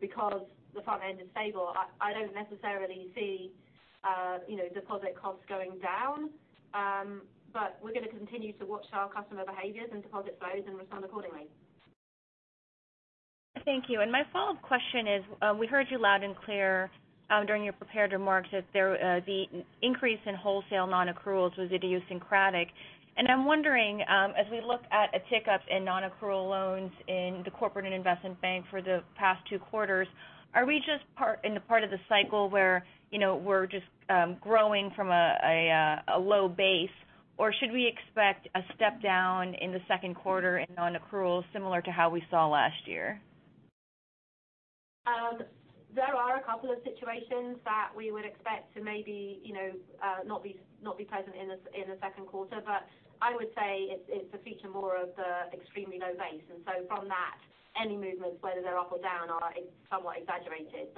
because the front end is stable, I don't necessarily see deposit costs going down. We're going to continue to watch our customer behaviors and deposit flows and respond accordingly. Thank you. My follow-up question is, we heard you loud and clear during your prepared remarks that the increase in wholesale non-accruals was idiosyncratic. I'm wondering, as we look at a tick up in non-accrual loans in the Corporate & Investment Bank for the past two quarters, are we just in the part of the cycle where we're just growing from a low base, or should we expect a step down in the second quarter in non-accrual similar to how we saw last year? There are a couple of situations that we would expect to maybe not be present in the second quarter, but I would say it's a feature more of the extremely low base. From that, any movements, whether they're up or down, are somewhat exaggerated.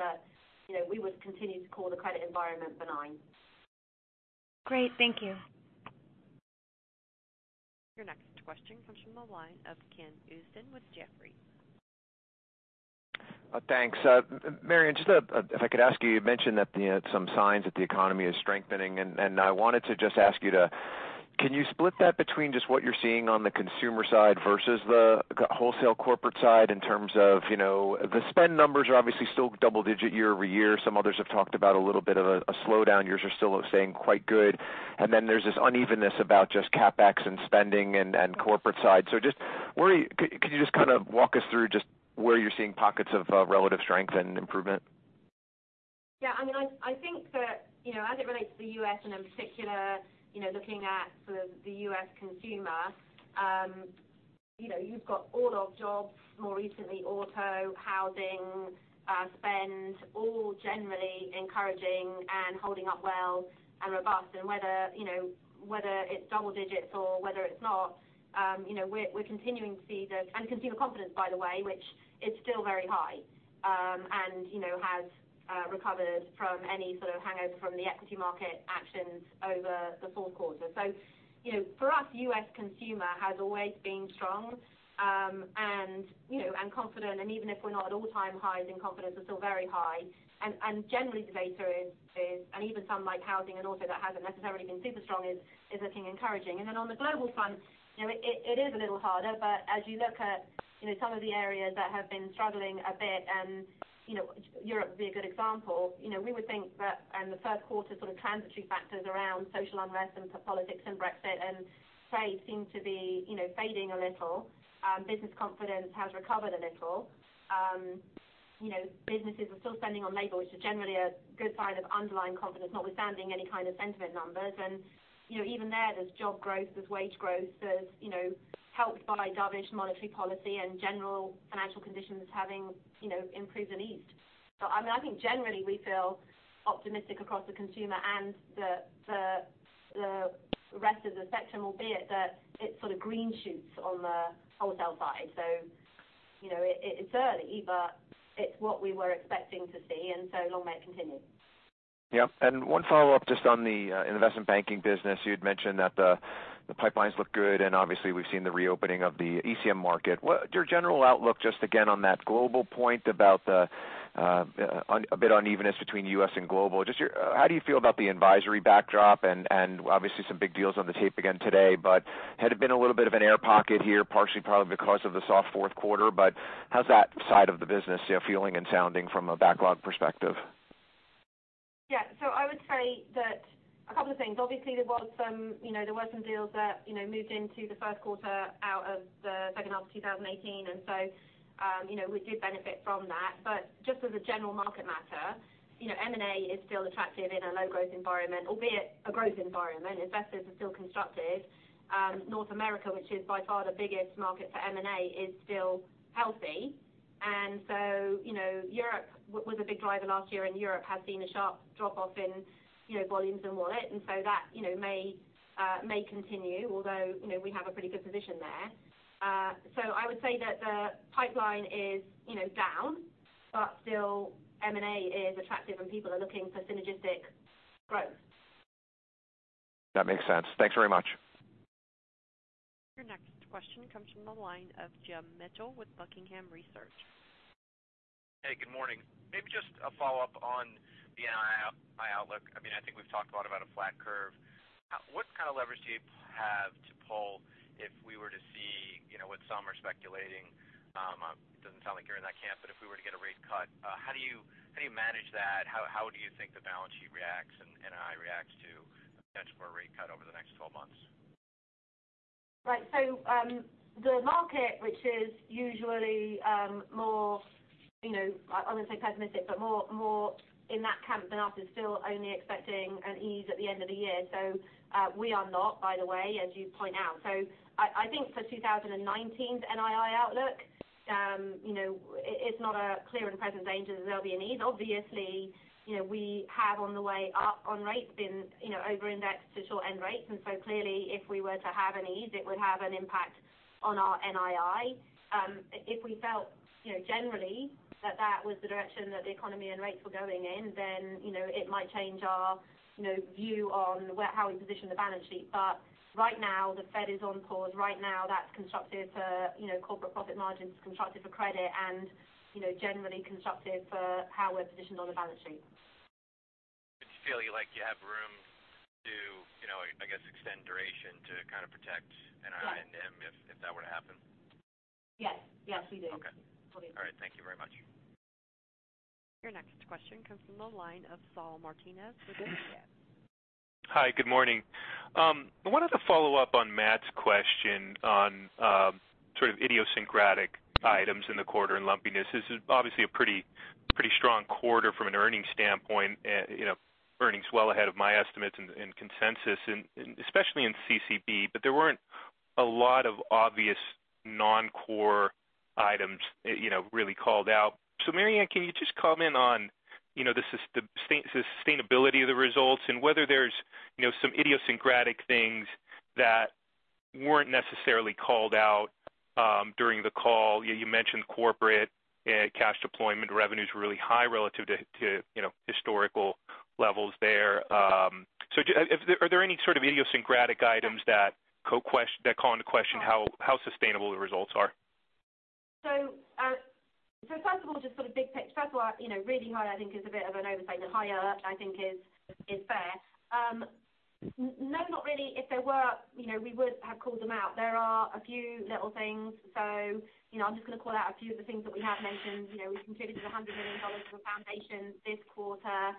We would continue to call the credit environment benign. Great. Thank you. Your next question comes from the line of Ken Usdin with Jefferies. Thanks. Marianne, just if I could ask you mentioned that some signs that the economy is strengthening, I wanted to just ask you, can you split that between just what you're seeing on the consumer side versus the wholesale corporate side in terms of the spend numbers are obviously still double-digit year-over-year. Some others have talked about a little bit of a slowdown. Yours are still staying quite good. There's this unevenness about just CapEx and spending and corporate side. Could you just walk us through just where you're seeing pockets of relative strength and improvement? I think that as it relates to the U.S. and in particular, looking at the U.S. consumer, you've got all of jobs, more recently, auto, housing, spend, all generally encouraging and holding up well and robust. Whether it's double digits or whether it's not, we're continuing to see the consumer confidence, by the way, which is still very high, and has recovered from any sort of hangover from the equity market actions over the fourth quarter. For us, U.S. consumer has always been strong and confident. Even if we're not at all-time highs in confidence, we're still very high. Generally, the data is, and even some like housing and auto that hasn't necessarily been super strong is looking encouraging. On the global front, it is a little harder, but as you look at some of the areas that have been struggling a bit, and Europe would be a good example, we would think that in the third quarter, sort of transitory factors around social unrest and politics and Brexit and trade seem to be fading a little. Business confidence has recovered a little. Businesses are still spending on labor, which is generally a good sign of underlying confidence, notwithstanding any kind of sentiment numbers. Even there's job growth, there's wage growth. There's helped by dovish monetary policy and general financial conditions having improved and eased. I think generally, we feel optimistic across the consumer and the rest of the sector, albeit that it's sort of green shoots on the wholesale side. It's early, but it's what we were expecting to see, long may it continue. Yep. One follow-up just on the investment banking business. You had mentioned that the pipelines look good, and obviously, we've seen the reopening of the ECM market. Your general outlook just again on that global point about a bit unevenness between U.S. and global. Just how do you feel about the advisory backdrop and obviously some big deals on the tape again today, but had it been a little bit of an air pocket here, partially probably because of the soft fourth quarter, but how's that side of the business feeling and sounding from a backlog perspective? Yeah. I would say that a couple of things. Obviously, there were some deals that moved into the first quarter out of the second half of 2018. We did benefit from that. Just as a general market matter, M&A is still attractive in a low-growth environment, albeit a growth environment. Investors are still constructive. North America, which is by far the biggest market for M&A, is still healthy. Europe was a big driver last year, and Europe has seen a sharp drop-off in volumes and wallet. That may continue, although we have a pretty good position there. I would say that the pipeline is down. Still M&A is attractive and people are looking for synergistic growth. That makes sense. Thanks very much. Your next question comes from the line of Jim Mitchell with Buckingham Research. Hey, good morning. Maybe just a follow-up on the NII outlook. I think we've talked a lot about a flat curve. What kind of leverage do you have to pull if we were to see what some are speculating, it doesn't sound like you're in that camp. If we were to get a rate cut, how do you manage that? How do you think the balance sheet reacts and NII reacts to the potential for a rate cut over the next 12 months? Right. The market, which is usually more, I wouldn't say pessimistic, but more in that camp than us is still only expecting an ease at the end of the year. We are not, by the way, as you point out. I think for 2019 NII outlook, it's not a clear and present danger that there will be an ease. Obviously, we have on the way up on rates been over indexed to short-end rates, clearly if we were to have an ease, it would have an impact on our NII. If we felt generally that that was the direction that the economy and rates were going in, it might change our view on how we position the balance sheet. Right now, the Fed is on pause. Right now, that is constructive to corporate profit margins, it is constructive for credit, generally constructive for how we are positioned on the balance sheet. Do you feel like you have room to, I guess, extend duration to kind of protect NII- Yeah NIM if that were to happen? Yes. Yes, we do. Okay. We do. All right. Thank you very much. Your next question comes from the line of Saul Martinez with UBS. Hi, good morning. I wanted to follow up on Matt's question on sort of idiosyncratic items in the quarter and lumpiness. This is obviously a pretty strong quarter from an earnings standpoint. Earnings well ahead of my estimates and consensus, especially in CCB. There weren't a lot of obvious non-core items really called out. Marianne, can you just comment on the sustainability of the results and whether there's some idiosyncratic things that weren't necessarily called out during the call? You mentioned corporate cash deployment revenues were really high relative to historical levels there. Are there any sort of idiosyncratic items that call into question how sustainable the results are? First of all, just sort of big picture. First of all, really high, I think is a bit of an oversight. Higher, I think is fair. No, not really. If there were, we would have called them out. There are a few little things. I'm just going to call out a few of the things that we have mentioned. We contributed $100 million to a foundation this quarter.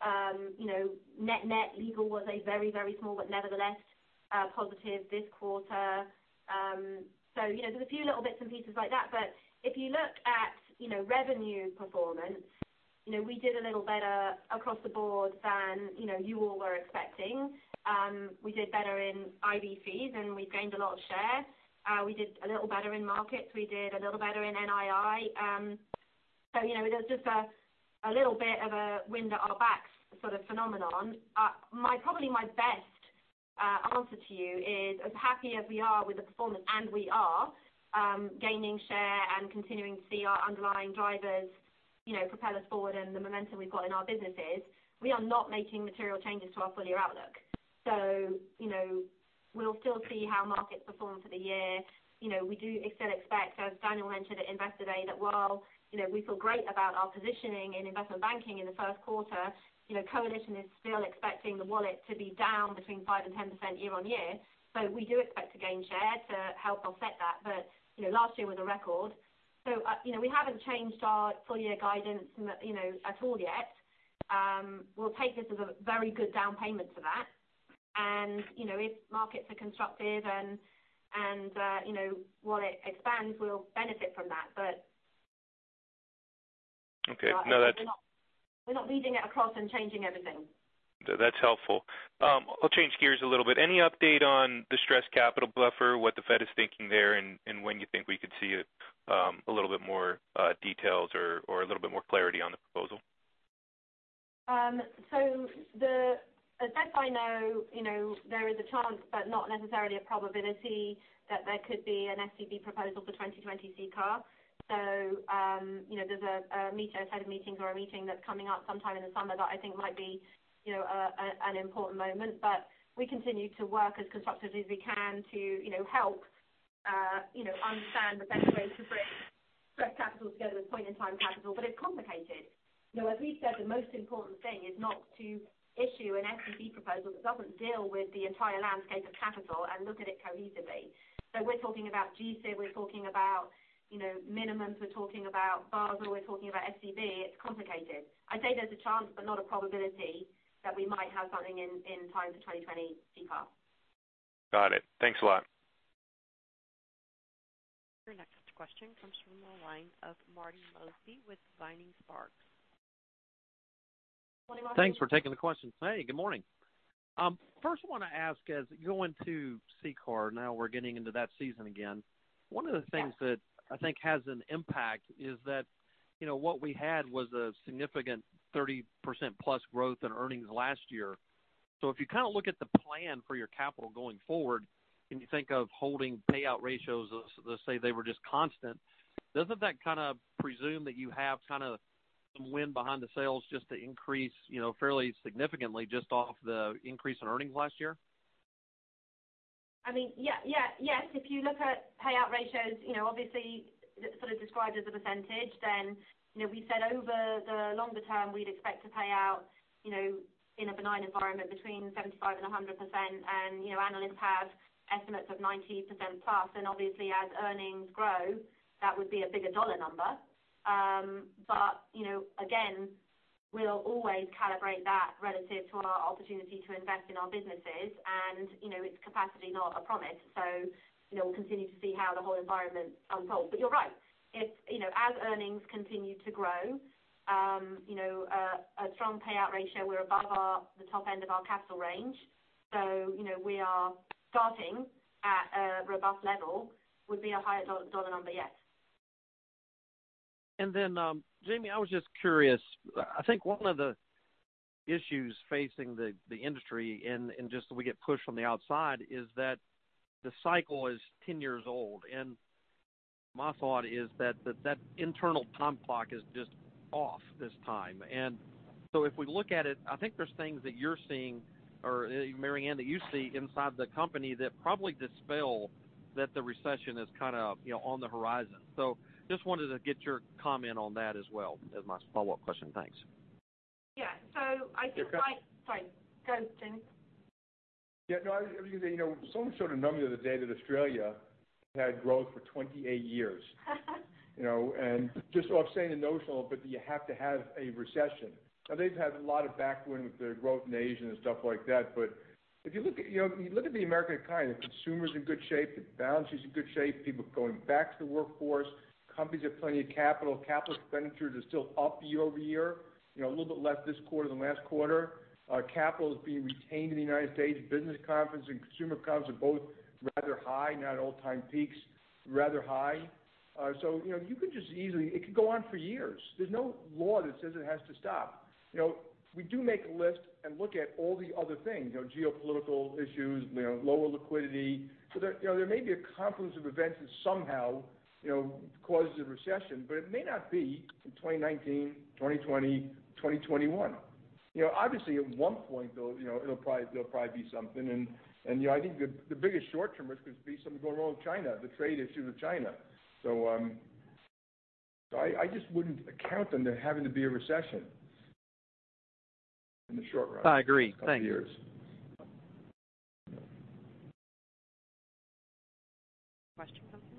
Net legal was very, very small, but nevertheless positive this quarter. There's a few little bits and pieces like that. If you look at revenue performance, we did a little better across the board than you all were expecting. We did better in IB fees, and we gained a lot of share. We did a little better in markets. We did a little better in NII. There's just a little bit of a wind at our backs sort of phenomenon. Probably my best answer to you is as happy as we are with the performance, and we are, gaining share and continuing to see our underlying drivers propel us forward and the momentum we've got in our businesses. We are not making material changes to our full-year outlook. We'll still see how markets perform for the year. We do still expect, as Daniel mentioned at Investor Day, that while we feel great about our positioning in investment banking in the first quarter, Coalition is still expecting the wallet to be down between 5% and 10% year-on-year. We do expect to gain share to help offset that. Last year was a record. We haven't changed our full-year guidance at all yet. We'll take this as a very good down payment for that. If markets are constructive and wallet expands, we'll benefit from that. Okay. No, that's We're not leading it across and changing everything. That's helpful. I'll change gears a little bit. Any update on the Stress Capital Buffer, what the Fed is thinking there, and when you think we could see a little bit more details or a little bit more clarity on the proposal? The best I know, there is a chance, but not necessarily a probability that there could be an SCB proposal for 2020 CCAR. There's a set of meetings or a meeting that's coming up sometime in the summer that I think might be an important moment. We continue to work as constructively as we can to help understand the best way to bring stress capital together with point-in-time capital. It's complicated. As we said, the most important thing is not to issue an SCB proposal that doesn't deal with the entire landscape of capital and look at it cohesively. We're talking about GC, we're talking about minimums, we're talking about Basel, we're talking about SCB. It's complicated. I'd say there's a chance, but not a probability that we might have something in time for 2020 CCAR. Got it. Thanks a lot. Your next question comes from the line of Marty Mosby with Vining Sparks. Morning, Marty. Thanks for taking the question. Hey, good morning. First I want to ask as you go into CCAR, now we're getting into that season again. One of the things that I think has an impact is that what we had was a significant 30% plus growth in earnings last year. If you look at the plan for your capital going forward, and you think of holding payout ratios, let's say they were just constant, doesn't that presume that you have some wind behind the sails just to increase fairly significantly just off the increase in earnings last year? I mean, yes. If you look at payout ratios, obviously sort of described as a percentage, then we said over the longer term, we'd expect to pay out in a benign environment between 75% and 100%. Analysts have estimates of 90% plus, and obviously as earnings grow, that would be a bigger dollar number. But again, we'll always calibrate that relative to our opportunity to invest in our businesses. And it's capacity, not a promise. We'll continue to see how the whole environment unfolds. You're right. As earnings continue to grow, a strong payout ratio, we're above the top end of our capital range. We are starting at a robust level, would be a higher dollar number, yes. Jamie, I was just curious, I think one of the issues facing the industry, and just so we get pushed from the outside, is that the cycle is 10 years old. My thought is that internal time clock is just off this time. If we look at it, I think there's things that you're seeing, or Marianne, that you see inside the company that probably dispel that the recession is on the horizon. Just wanted to get your comment on that as well as my follow-up question. Thanks. Yeah. I think Okay. Sorry. Go, Jamie. Yeah. No, I was going to say, someone showed a number the other day that Australia had growth for 28 years. Just off saying the notional, but you have to have a recession. They've had a lot of backwind with their growth in Asia and stuff like that. If you look at the American economy, the consumer's in good shape, the balance sheet's in good shape, people are going back to the workforce, companies have plenty of capital expenditures are still up year-over-year, a little bit less this quarter than last quarter. Capital is being retained in the U.S. Business confidence and consumer confidence are both rather high, not all-time peaks, rather high. It could go on for years. There's no law that says it has to stop. We do make a list and look at all the other things, geopolitical issues, lower liquidity. There may be a confluence of events that somehow causes a recession, but it may not be until 2019, 2020, 2021. Obviously, at one point, there'll probably be something. I think the biggest short-term risk could be something going wrong with China, the trade issues with China. I just wouldn't count on there having to be a recession in the short run. I agree. Thank you. couple years. Question comes from the line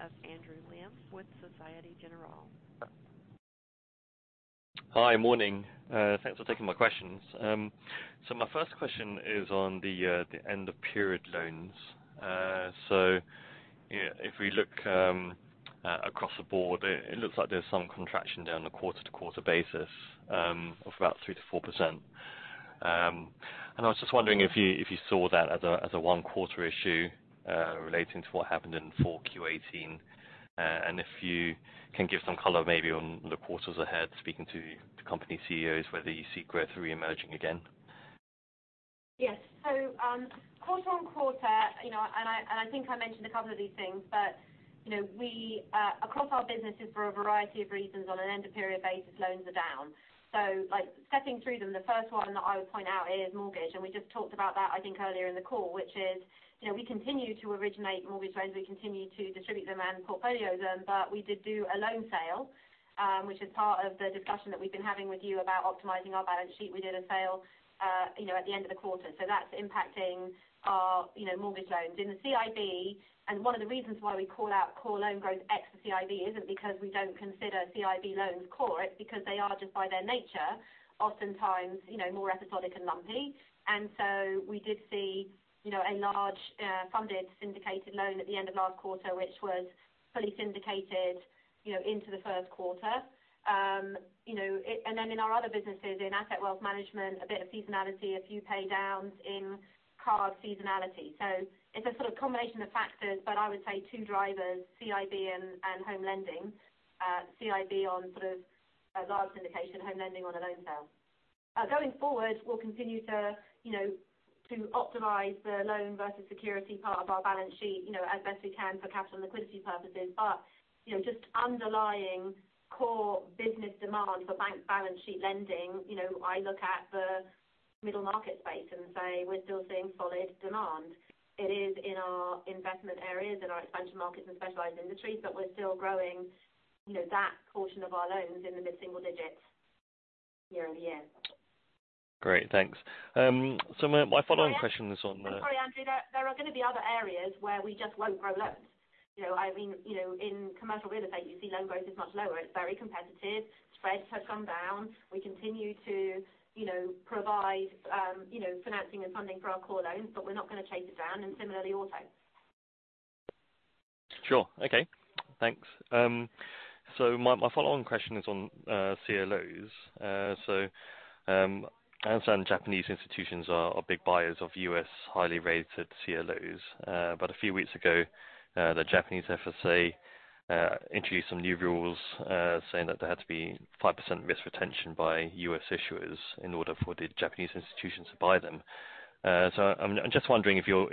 of Andrew Lim with Societe Generale. Hi. Morning. Thanks for taking my questions. My first question is on the end of period loans. If we look across the board, it looks like there's some contraction there on the quarter-to-quarter basis, of about 3%-4%. I was just wondering if you saw that as a one-quarter issue relating to what happened in four Q 2018, and if you can give some color maybe on the quarters ahead, speaking to company CEOs, whether you see growth reemerging again. Yes. Quarter-on-quarter, and I think I mentioned a couple of these things, but across our businesses for a variety of reasons on an end of period basis, loans are down. Stepping through them, the first one that I would point out is mortgage, and we just talked about that, I think, earlier in the call, which is, we continue to originate mortgage loans, we continue to distribute them and portfolio them, but we did do a loan sale, which is part of the discussion that we've been having with you about optimizing our balance sheet. We did a sale at the end of the quarter. That's impacting our mortgage loans. In the CIB, and one of the reasons why we call out core loan growth ex the CIB isn't because we don't consider CIB loans core, it's because they are just by their nature, oftentimes more episodic and lumpy. We did see a large funded syndicated loan at the end of last quarter, which was fully syndicated into the first quarter. In our other businesses, in Asset & Wealth Management, a bit of seasonality, a few pay downs in card seasonality. It's a sort of combination of factors, but I would say two drivers, CIB and home lending. CIB on a large syndication, home lending on a loan sale. Going forward, we'll continue to optimize the loan versus security part of our balance sheet, as best we can for capital and liquidity purposes. Just underlying core business demand for bank balance sheet lending, I look at the middle market space and say we're still seeing solid demand. It is in our investment areas, in our expansion markets and specialized industries, but we're still growing that portion of our loans in the mid-single digits year-over-year. Great. Thanks. My following question is on the- I'm sorry, Andrew. There are going to be other areas where we just won't grow loans. In commercial real estate, you see loan growth is much lower. It's very competitive. Spreads have come down. We continue to provide financing and funding for our core loans, but we're not going to chase it down, and similarly auto. Sure. Okay. Thanks. My follow-on question is on CLOs. I understand Japanese institutions are big buyers of U.S. highly rated CLOs. A few weeks ago, the Japanese FSA introduced some new rules saying that there had to be 5% risk retention by U.S. issuers in order for the Japanese institutions to buy them. I'm just wondering if you're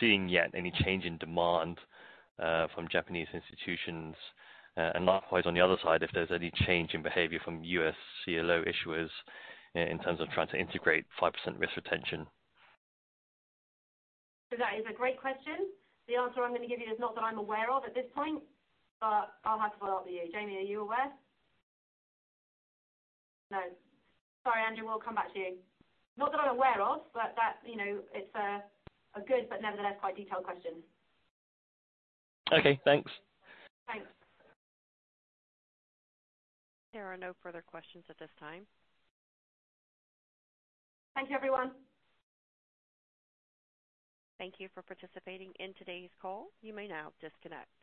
seeing yet any change in demand from Japanese institutions, and likewise on the other side, if there's any change in behavior from U.S. CLO issuers in terms of trying to integrate 5% risk retention. That is a great question. The answer I'm going to give you is not that I'm aware of at this point, but I'll have to follow up with you. Jamie, are you aware? No. Sorry, Andrew, we'll come back to you. Not that I'm aware of, but it's a good but nevertheless quite detailed question. Okay. Thanks. Thanks. There are no further questions at this time. Thank you, everyone. Thank you for participating in today's call. You may now disconnect.